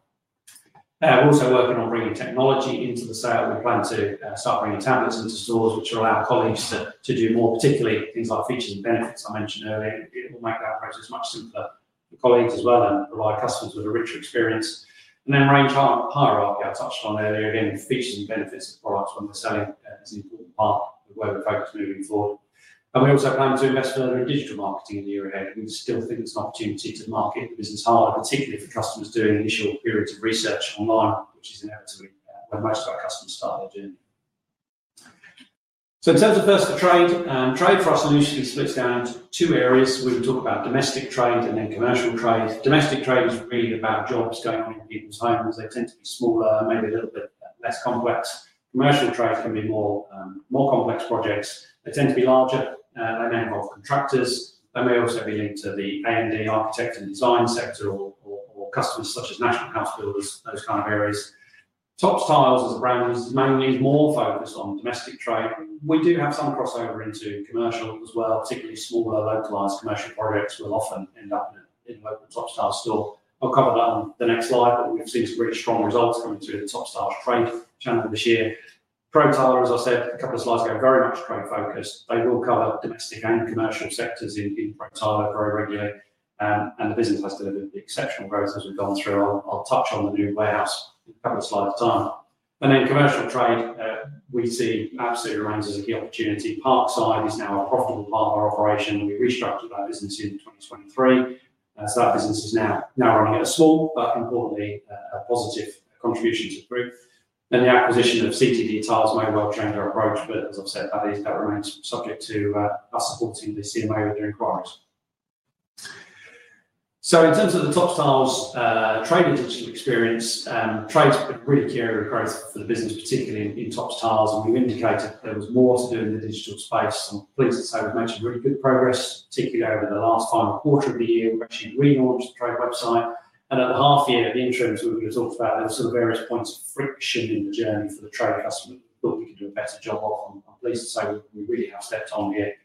We're also working on bringing technology into the sale. We plan to start bringing tablets into stores, which will allow colleagues to do more, particularly things like features and benefits I mentioned earlier. It will make that process much simpler for colleagues as well and provide customers with a richer experience, and then range hierarchy I touched on earlier. Again, features and benefits of products when they're selling is an important part of where we focus moving forward, and we also plan to invest further in digital marketing in the year ahead. We still think it's an opportunity to market the business harder, particularly for customers doing initial periods of research online, which is inevitably where most of our customers start their journey, so in terms of RMI trade, trade for us initially splits down into two areas. We can talk about domestic trade and then commercial trade. Domestic trade is really about jobs going on in people's homes, as they tend to be smaller, maybe a little bit less complex. Commercial trade can be more complex projects. They tend to be larger. They may involve contractors. They may also be linked to the A&D architect and design sector or customers such as national house builders, those kind of areas. Topps Tiles as a brand is mainly more focused on domestic trade. We do have some crossover into commercial as well. Particularly smaller localized commercial projects will often end up in a local Topps Tiles store. I'll cover that on the next slide, but we've seen some really strong results coming through the Topps Tiles trade channel this year. Pro Tiler, as I said, a couple of slides ago, very much trade focused. They will cover domestic and commercial sectors in Pro Tiler very regularly, and the business has delivered the exceptional growth as we've gone through. I'll touch on the new warehouse in a couple of slides time, and then commercial trade, we see absolutely remains as a key opportunity. Parkside is now a profitable part of our operation. We restructured our business in 2023 so that business is now running at a small, but importantly, a positive contribution to the group and the acquisition of CTD Tiles may well change our approach, but as I've said, that remains subject to us supporting the CMA with their inquiries so in terms of the Topps Tiles trade and digital experience, trade's been a really key area of growth for the business, particularly in Topps Tiles, and we've indicated there was more to do in the digital space, and pleased to say we've made some really good progress, particularly over the last final quarter of the year. We've actually relaunched the trade website, and at the half year of the interim, as we've talked about, there were sort of various points of friction in the journey for the trade customer. We thought we could do a better job of them. And pleased to say we really have stepped up here.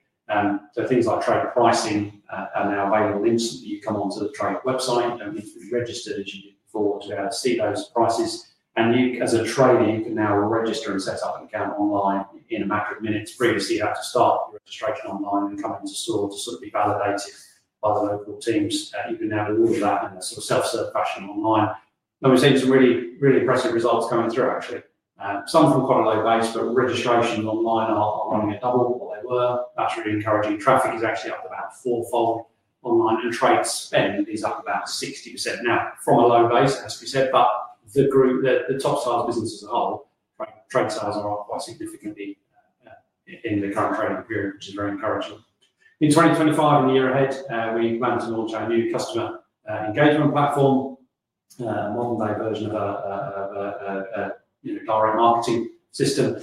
So things like trade pricing are now available instantly. You come onto the trade website. You don't need to be registered as you did before. To be able to see those prices. And you, as a trader, you can now register and set up an account online in a matter of minutes. Previously, you had to start your registration online and come into store to sort of be validated by the local teams. You can now do all of that in a sort of self-serve fashion online. And we've seen some really, really impressive results coming through, actually. Some from quite a low base, but registrations online are running at double what they were. That's really encouraging. Traffic is actually up about fourfold online. Trade spend is up about 60% now from a low base, as we said. The group, the Topps Tiles business as a whole, trade sales are up quite significantly in the current trading period, which is very encouraging. In 2025, in the year ahead, we plan to launch our new customer engagement platform, a modern-day version of a direct marketing system.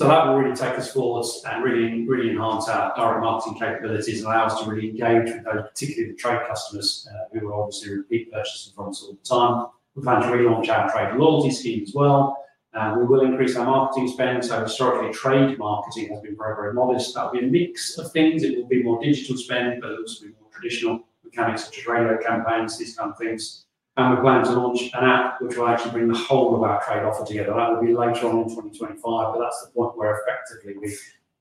That will really take us forward and really enhance our direct marketing capabilities and allow us to really engage with those, particularly the trade customers who are obviously repeat purchasing from us all the time. We plan to relaunch our trade loyalty scheme as well. We will increase our marketing spend. Historically, trade marketing has been very, very modest. That will be a mix of things. It will be more digital spend, but it'll also be more traditional mechanics such as radio campaigns, these kind of things. And we plan to launch an app which will actually bring the whole of our trade offer together. That will be later on in 2025. But that's the point where effectively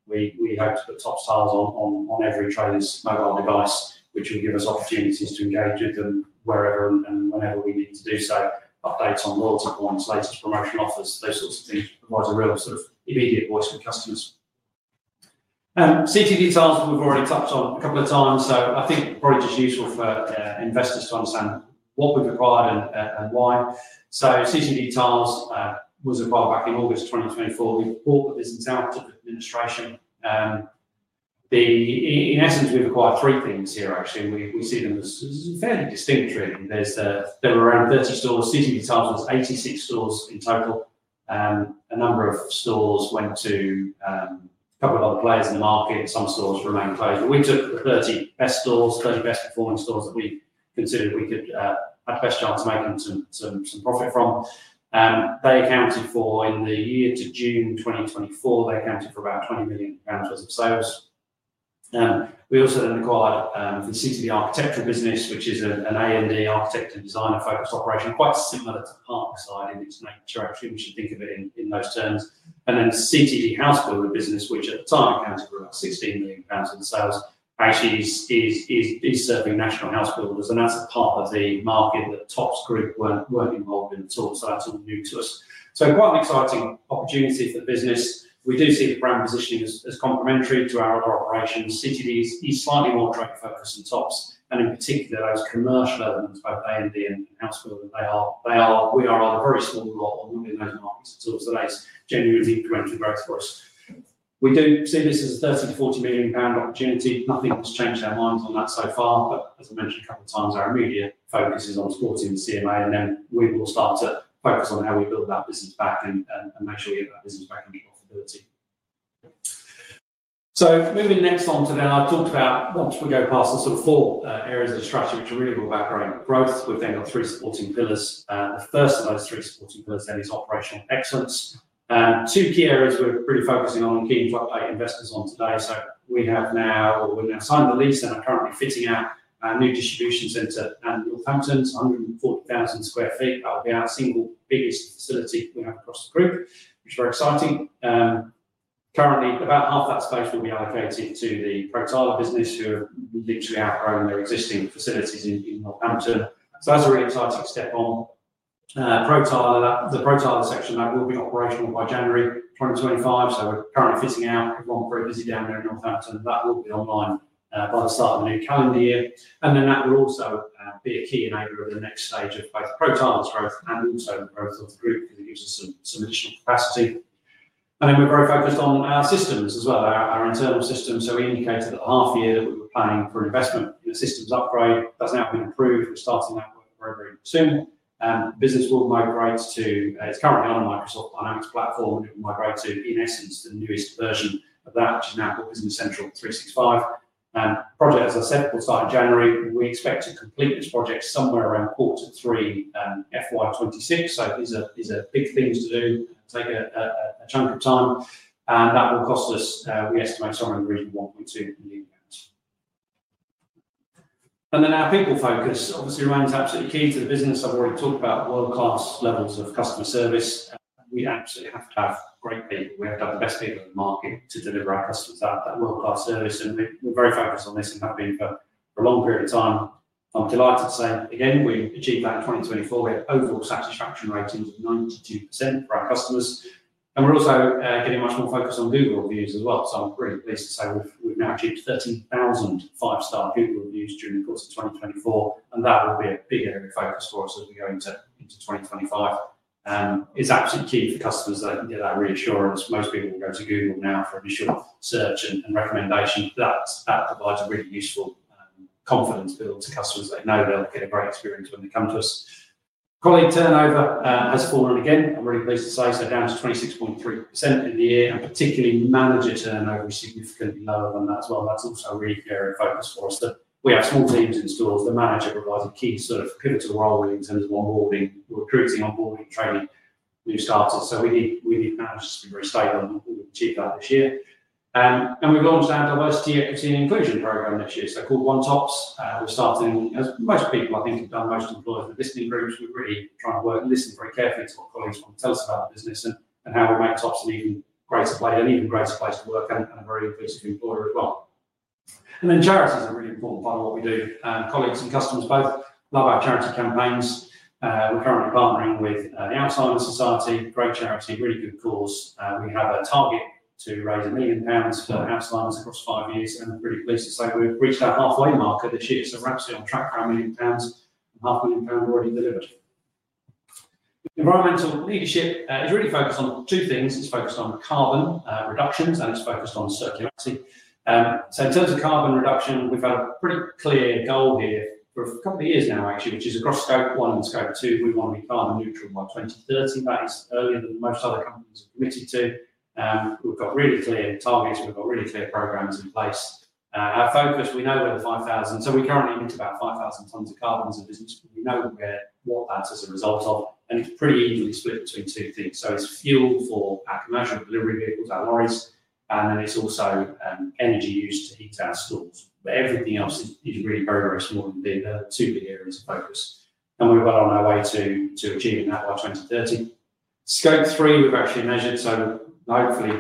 we hope to put Topps Tiles on every trader's mobile device, which will give us opportunities to engage with them wherever and whenever we need to do so. Updates on loyalty points, latest promotional offers, those sorts of things provide a real sort of immediate voice for customers. CTD Tiles we've already touched on a couple of times. So I think probably just useful for investors to understand what we've acquired and why. So CTD Tiles was acquired back in August 2024. We bought the business out of the administration. In essence, we've acquired three things here, actually. We see them as fairly distinct, really. There were around 30 stores. CTD Tiles was 86 stores in total. A number of stores went to a couple of other players in the market. Some stores remained closed, but we took the 30 best stores, 30 best performing stores that we considered we had the best chance of making some profit from. They accounted for, in the year to June 2024, about 20 million pounds worth of sales. We also then acquired the CTD Architectural Tiles, which is an A&D architect and designer-focused operation, quite similar to Parkside in its nature, actually. We should think of it in those terms, and then CTD Housebuilders, which at the time accounted for about 16 million pounds in sales, actually is serving national housebuilders, and that's a part of the market that Topps Group weren't involved in at all. That's all new to us. Quite an exciting opportunity for the business. We do see the brand positioning as complementary to our other operations. CTD is slightly more trade-focused than Topps. And in particular, those commercial elements, both A&D and housebuilder, we are on a very small lot on many of those markets at all. That is genuinely incremental growth for us. We do see this as a 30-40 million pound opportunity. Nothing has changed our minds on that so far. But as I mentioned a couple of times, our immediate focus is on supporting the CMA. And then we will start to focus on how we build that business back and make sure we get that business back into profitability. So, moving next on to now, I've talked about, once we go past the sort of four areas of the strategy, which are really all about growing growth, we've then got three supporting pillars. The first of those three supporting pillars then is operational excellence. Two key areas we're really focusing on and keen to update investors on today. So we have now, or we've now signed the lease and are currently fitting out a new distribution center in Northampton, 140,000 sq ft. That will be our single biggest facility we have across the group, which is very exciting. Currently, about half that space will be allocated to the Pro Tiler business, who have literally outgrown their existing facilities in Northampton. So that's a really exciting step on Pro Tiler. The Pro Tiler section, that will be operational by January 2025. So we're currently fitting out. We've gone pretty busy down there in Northampton. That will be online by the start of the new calendar year. That will also be a key enabler of the next stage of both Pro Tiler's growth and also the growth of the group, because it gives us some additional capacity. We're very focused on our systems as well, our internal systems. We indicated that the half year that we were planning for an investment in a systems upgrade, that's now been approved. We're starting that work very, very soon. Business will migrate to, it's currently on a Microsoft Dynamics platform. It will migrate to, in essence, the newest version of that, which is now called Business Central 365. Project, as I said, will start in January. We expect to complete this project somewhere around quarter three FY26. So these are big things to do, take a chunk of time, and that will cost us, we estimate, somewhere in the region of 1.2 million pounds, and then our people focus obviously remains absolutely key to the business. I've already talked about world-class levels of customer service. We absolutely have to have great people. We have to have the best people in the market to deliver our customers that world-class service, and we're very focused on this and have been for a long period of time. I'm delighted to say, again, we achieved that in 2024. We have overall satisfaction ratings of 92% for our customers, and we're also getting much more focus on Google reviews as well, so I'm really pleased to say we've now achieved 30,000 five-star Google reviews during the course of 2024. That will be a big area of focus for us as we go into 2025. It's absolutely key for customers that they can get that reassurance. Most people will go to Google now for initial search and recommendation. That provides a really useful confidence build to customers. They know they'll get a great experience when they come to us. Colleague turnover has fallen again. I'm really pleased to say, down to 26.3% in the year. Particularly, manager turnover is significantly lower than that as well. That's also a really key area of focus for us. We have small teams in stores. The manager provides a key sort of pivotal role in terms of onboarding, recruiting, onboarding, training new starters, so we need managers to be very stable. We'll achieve that this year. We've launched our diversity, equity, and inclusion program this year, called OneTopps. We're starting, as most people, I think, have done, most employers with listening groups. We're really trying to work and listen very carefully to what colleagues want to tell us about the business and how we make Topps an even greater player, an even greater place to work, and a very inclusive employer as well. Charity is a really important part of what we do. Colleagues and customers both love our charity campaigns. We're currently partnering with the Alzheimer's Society, great charity, really good cause. We have a target to raise 1 million pounds for Alzheimer's across five years. I'm really pleased to say we've reached our halfway marker this year. So we're absolutely on track for 1 million pounds. 500,000 pounds already delivered. Environmental leadership is really focused on two things. It's focused on carbon reductions, and it's focused on circularity. So in terms of carbon reduction, we've had a pretty clear goal here for a couple of years now, actually, which is across Scope 1 and Scope 2, we want to be carbon neutral by 2030. That is earlier than most other companies have committed to. We've got really clear targets. We've got really clear programs in place. Our focus, we know we're the 5,000. So we currently emit about 5,000 tons of carbon as a business. We know what that's as a result of. And it's pretty evenly split between two things. So it's fuel for our commercial delivery vehicles, our lorries. And then it's also energy used to heat our stores. But everything else is really very, very small in the two big areas of focus. And we're well on our way to achieving that by 2030. Scope 3, we've actually measured. So hopefully,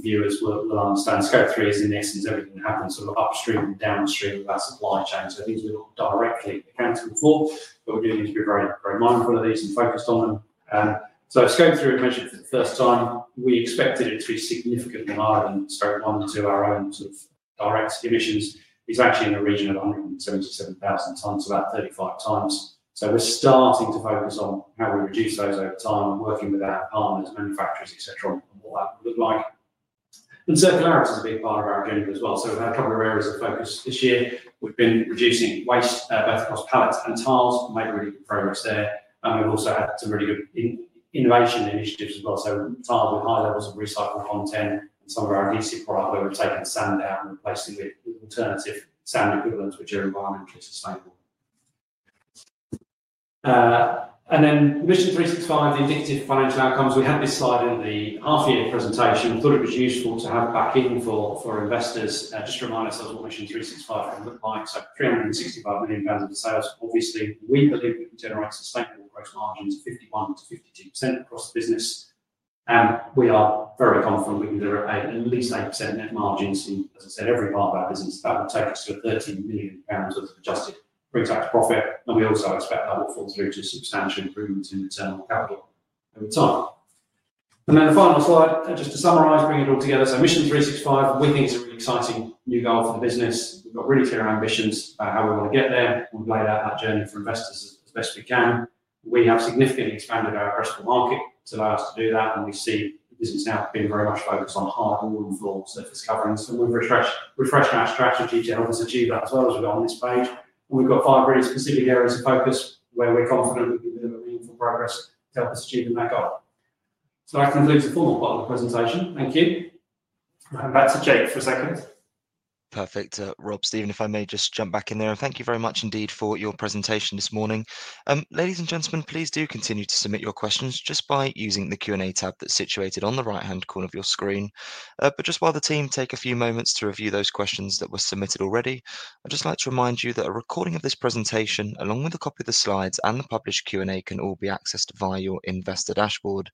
viewers will understand. Scope 3 is, in essence, everything that happens sort of upstream and downstream of our supply chain. So things we're not directly accountable for. But we do need to be very, very mindful of these and focused on them. So Scope 3 we've measured for the first time. We expected it to be significantly higher than Scope 1 and 2, our own sort of direct emissions. It's actually in the region of 177,000 tons, about 35 times. So we're starting to focus on how we reduce those over time and working with our partners, manufacturers, etc., on what that would look like. And circularity is a big part of our agenda as well. So we've had a couple of areas of focus this year. We've been reducing waste, both across pallets and tiles. Made really good progress there. And we've also had some really good innovation initiatives as well. So tiles with high levels of recycled content and some of our adhesive product, where we've taken sand out and replaced it with alternative sand equivalents, which are environmentally sustainable. And then Mission 365, the attractive financial outcomes. We had this slide in the half year presentation. We thought it was useful to have back in for investors just to remind ourselves what Mission 365 can look like. So 365 million pounds in sales. Obviously, we believe we can generate sustainable gross margins of 51%-52% across the business. And we are very confident we can deliver at least 8% net margins in, as I said, every part of our business. That will take us to 13 million pounds of adjusted pre-tax profit. And we also expect that will fall through to substantial improvements in working capital over time. And then the final slide, just to summarize, bring it all together. So, Mission 365, we think it's a really exciting new goal for the business. We've got really clear ambitions about how we want to get there. We've laid out that journey for investors as best we can. We have significantly expanded our addressable market to allow us to do that. And we see the business now being very much focused on hard wall and floor surface coverings. So we've refreshed our strategy to help us achieve that as well as we've got on this page. And we've got five really specific areas of focus where we're confident we can deliver meaningful progress to help us achieve that goal. So that concludes the formal part of the presentation. Thank you. I'll hand back to Jake for a second. Perfect. Rob, Stephen, if I may just jump back in there. And thank you very much indeed for your presentation this morning. Ladies and gentlemen, please do continue to submit your questions just by using the Q&A tab that's situated on the right-hand corner of your screen, but just while the team take a few moments to review those questions that were submitted already, I'd just like to remind you that a recording of this presentation, along with a copy of the slides and the published Q&A, can all be accessed via your investor dashboard.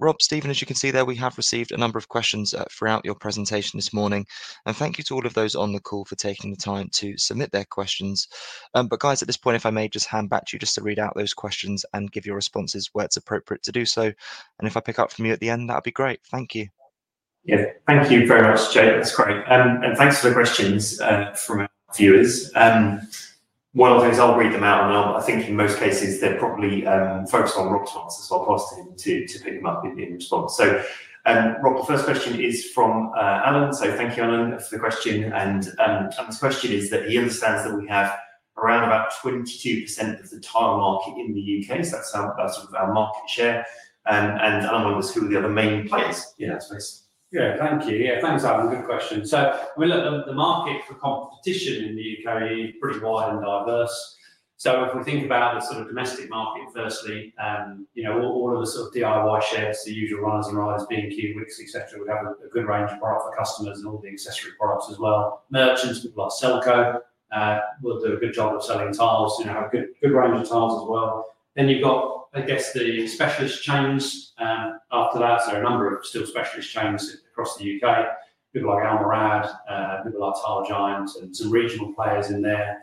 Rob, Stephen, as you can see there, we have received a number of questions throughout your presentation this morning, and thank you to all of those on the call for taking the time to submit their questions, but guys, at this point, if I may just hand back to you just to read out those questions and give your responses where it's appropriate to do so. If I pick up from you at the end, that would be great. Thank you. Yeah, thank you very much, Jake. That's great. And thanks for the questions from our viewers. One of those, I'll read them out now. But I think in most cases, they're probably focused on Rob's answers as well. I'll ask him to pick them up in response. So Rob, the first question is from Alan. So thank you, Alan, for the question. And Alan's question is that he understands that we have around about 22% of the tile market in the U.K. So that's sort of our market share. And Alan wonders who are the other main players in that space. Yeah, thank you. Yeah, thanks, Alan. Good question. So the market for competition in the U.K. is pretty wide and diverse. So if we think about the sort of domestic market firstly, all of the sort of DIY sheds, the usual runners and riders, B&Q, Wickes, etc., we have a good range of products for customers and all the accessory products as well. Merchants, people like Selco, will do a good job of selling tiles. You know, have a good range of tiles as well. Then you've got, I guess, the specialist chains after that. So a number of still specialist chains across the U.K. People like Al-Murad, people like Tile Giant, and some regional players in there.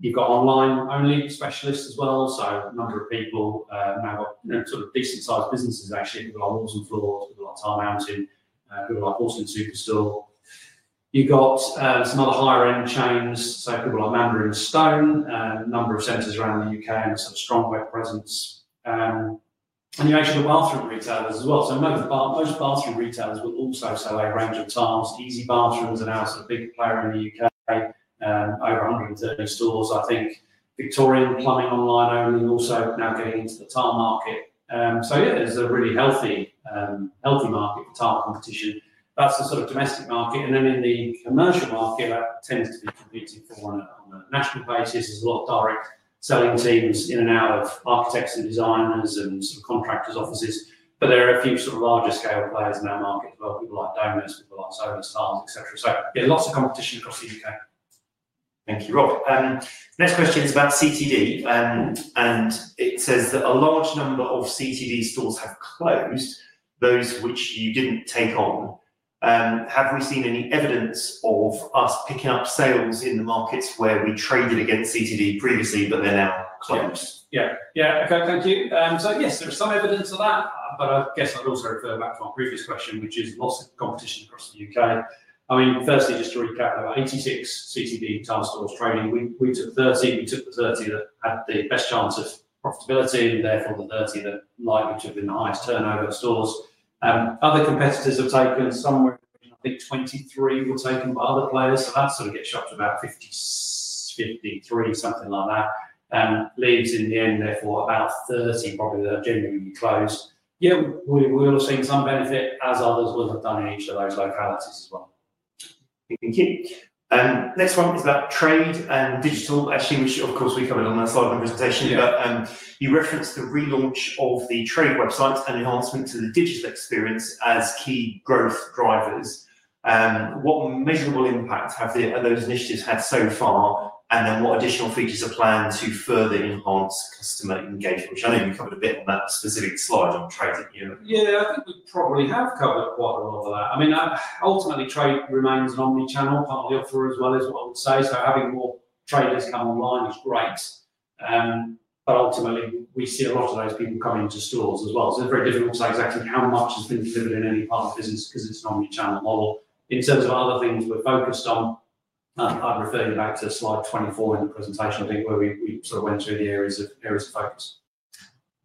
You've got online-only specialists as well. So a number of people now got sort of decent-sized businesses, actually. People like Walls and Floors, people like Tile Mountain, people like Porcelain Superstore. You've got some other higher-end chains. People like Mandarin Stone, a number of centres around the U.K. and a sort of strong web presence. You mentioned the bathroom retailers as well. Most bathroom retailers will also sell a range of tiles. Easy Bathrooms is now a sort of big player in the U.K., over 130 stores. I think Victorian Plumbing, online-only, is also now getting into the tile market. Yeah, there's a really healthy market for tile competition. That's the sort of domestic market. In the commercial market, that tends to be competing on a national basis. There's a lot of direct selling teams in and out of architects and designers and sort of contractors' offices. There are a few sort of larger-scale players in that market as well. People like Domus, people like Solus Ceramics, etc. Yeah, lots of competition across the U.K. Thank you, Rob. Next question is about CTD, and it says that a large number of CTD stores have closed, those which you didn't take on. Have we seen any evidence of us picking up sales in the markets where we traded against CTD previously, but they're now closed? Yeah, yeah. Okay, thank you. So yes, there's some evidence of that. But I guess I'd also refer back to our previous question, which is lots of competition across the UK. I mean, firstly, just to recap, there were 86 CTD tile stores trading. We took 30. We took the 30 that had the best chance of profitability and therefore the 30 that likely to have been the highest turnover stores. Other competitors have taken somewhere, I think 23 were taken by other players. So that sort of gets shot to about 53, something like that. Leaves in the end, therefore, about 30 probably that are genuinely closed. Yeah, we will have seen some benefit, as others will have done in each of those localities as well. Thank you. Next one is about trade and digital, which, of course, we covered on that slide of the presentation. But you referenced the relaunch of the trade website and enhancement to the digital experience as key growth drivers. What measurable impact have those initiatives had so far? And then what additional features are planned to further enhance customer engagement? Which I know you covered a bit on that specific slide on trade at Europe. Yeah, I think we probably have covered quite a lot of that. I mean, ultimately, trade remains an omnichannel part of the offer as well as what I would say. So having more traders come online is great. Ultimately, we see a lot of those people coming to stores as well. It's very difficult to say exactly how much has been delivered in any part of the business because it's an omnichannel model. In terms of other things we're focused on, I'd refer you back to slide 24 in the presentation, I think, where we sort of went through the areas of focus.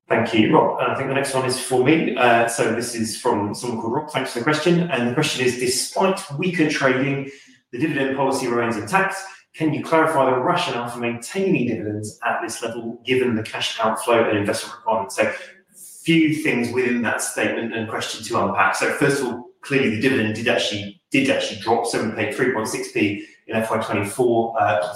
Thank you, Rob. I think the next one is for me. This is from someone called Rob. Thanks for the question. The question is, despite weaker trading, the dividend policy remains intact. Can you clarify the rationale for maintaining dividends at this level given the cash outflow and investment requirements? A few things within that statement and question to unpack. First of all, clearly, the dividend did actually drop. We paid 3.6p in FY24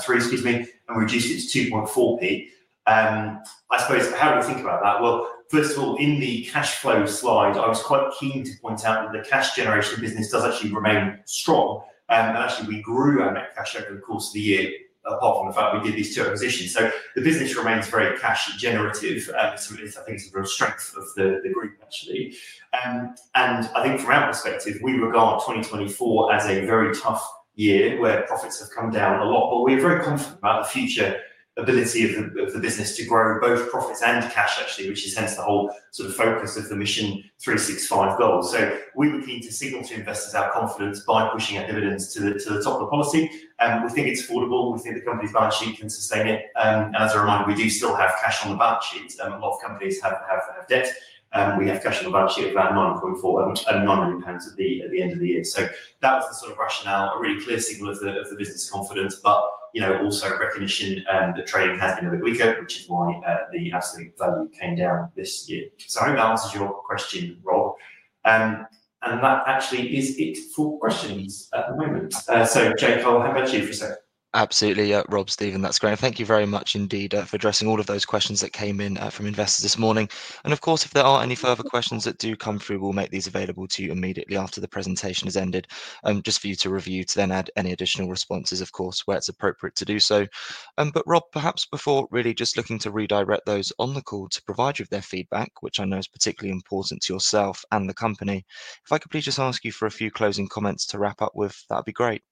and reduced it to 2.4p. I suppose, how do we think about that? First of all, in the cash flow slide, I was quite keen to point out that the cash generation business does actually remain strong. Actually, we grew our net cash over the course of the year, apart from the fact we did these two acquisitions. The business remains very cash generative. I think it's a real strength of the group, actually. I think from our perspective, we regard 2024 as a very tough year where profits have come down a lot. We are very confident about the future ability of the business to grow both profits and cash, actually, which is hence the whole sort of focus of the Mission 365 goals. So we were keen to signal to investors our confidence by pushing our dividends to the top of the policy. We think it's affordable. We think the company's balance sheet can sustain it. And as a reminder, we do still have cash on the balance sheet. A lot of companies have debt. We have cash on the balance sheet of about 9.4, GBP 9 million at the end of the year. So that was the sort of rationale, a really clear signal of the business confidence, but also recognition that trading has been a bit weaker, which is why the absolute value came down this year. So I think that answers your question, Rob. And that actually is it for questions at the moment. So Jake, I'll hand back to you for a second. Absolutely, Rob, Stephen, that's great. And thank you very much indeed for addressing all of those questions that came in from investors this morning. And of course, if there are any further questions that do come through, we'll make these available to you immediately after the presentation has ended, just for you to review, to then add any additional responses, of course, where it's appropriate to do so. But Rob, perhaps before really just looking to redirect those on the call to provide you with their feedback, which I know is particularly important to yourself and the company, if I could please just ask you for a few closing comments to wrap up with, that would be great.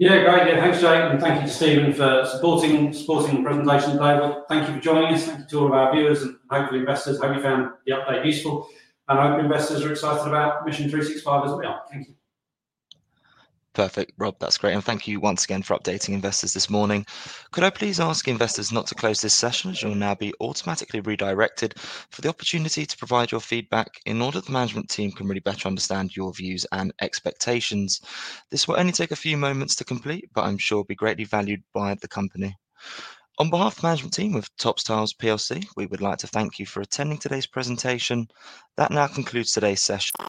Yeah, great. Yeah, thanks, Jake. And thank you to Stephen for supporting the presentation today. Thank you for joining us. Thank you to all of our viewers and hopefully investors. I hope you found the update useful. And I hope investors are excited about Mission 365 as well. Thank you. Perfect, Rob. That's great. And thank you once again for updating investors this morning. Could I please ask investors not to close this session, as you'll now be automatically redirected for the opportunity to provide your feedback in order the management team can really better understand your views and expectations? This will only take a few moments to complete, but I'm sure it will be greatly valued by the company. On behalf of the management team with Topps Tiles PLC, we would like to thank you for attending today's presentation. That now concludes today's session.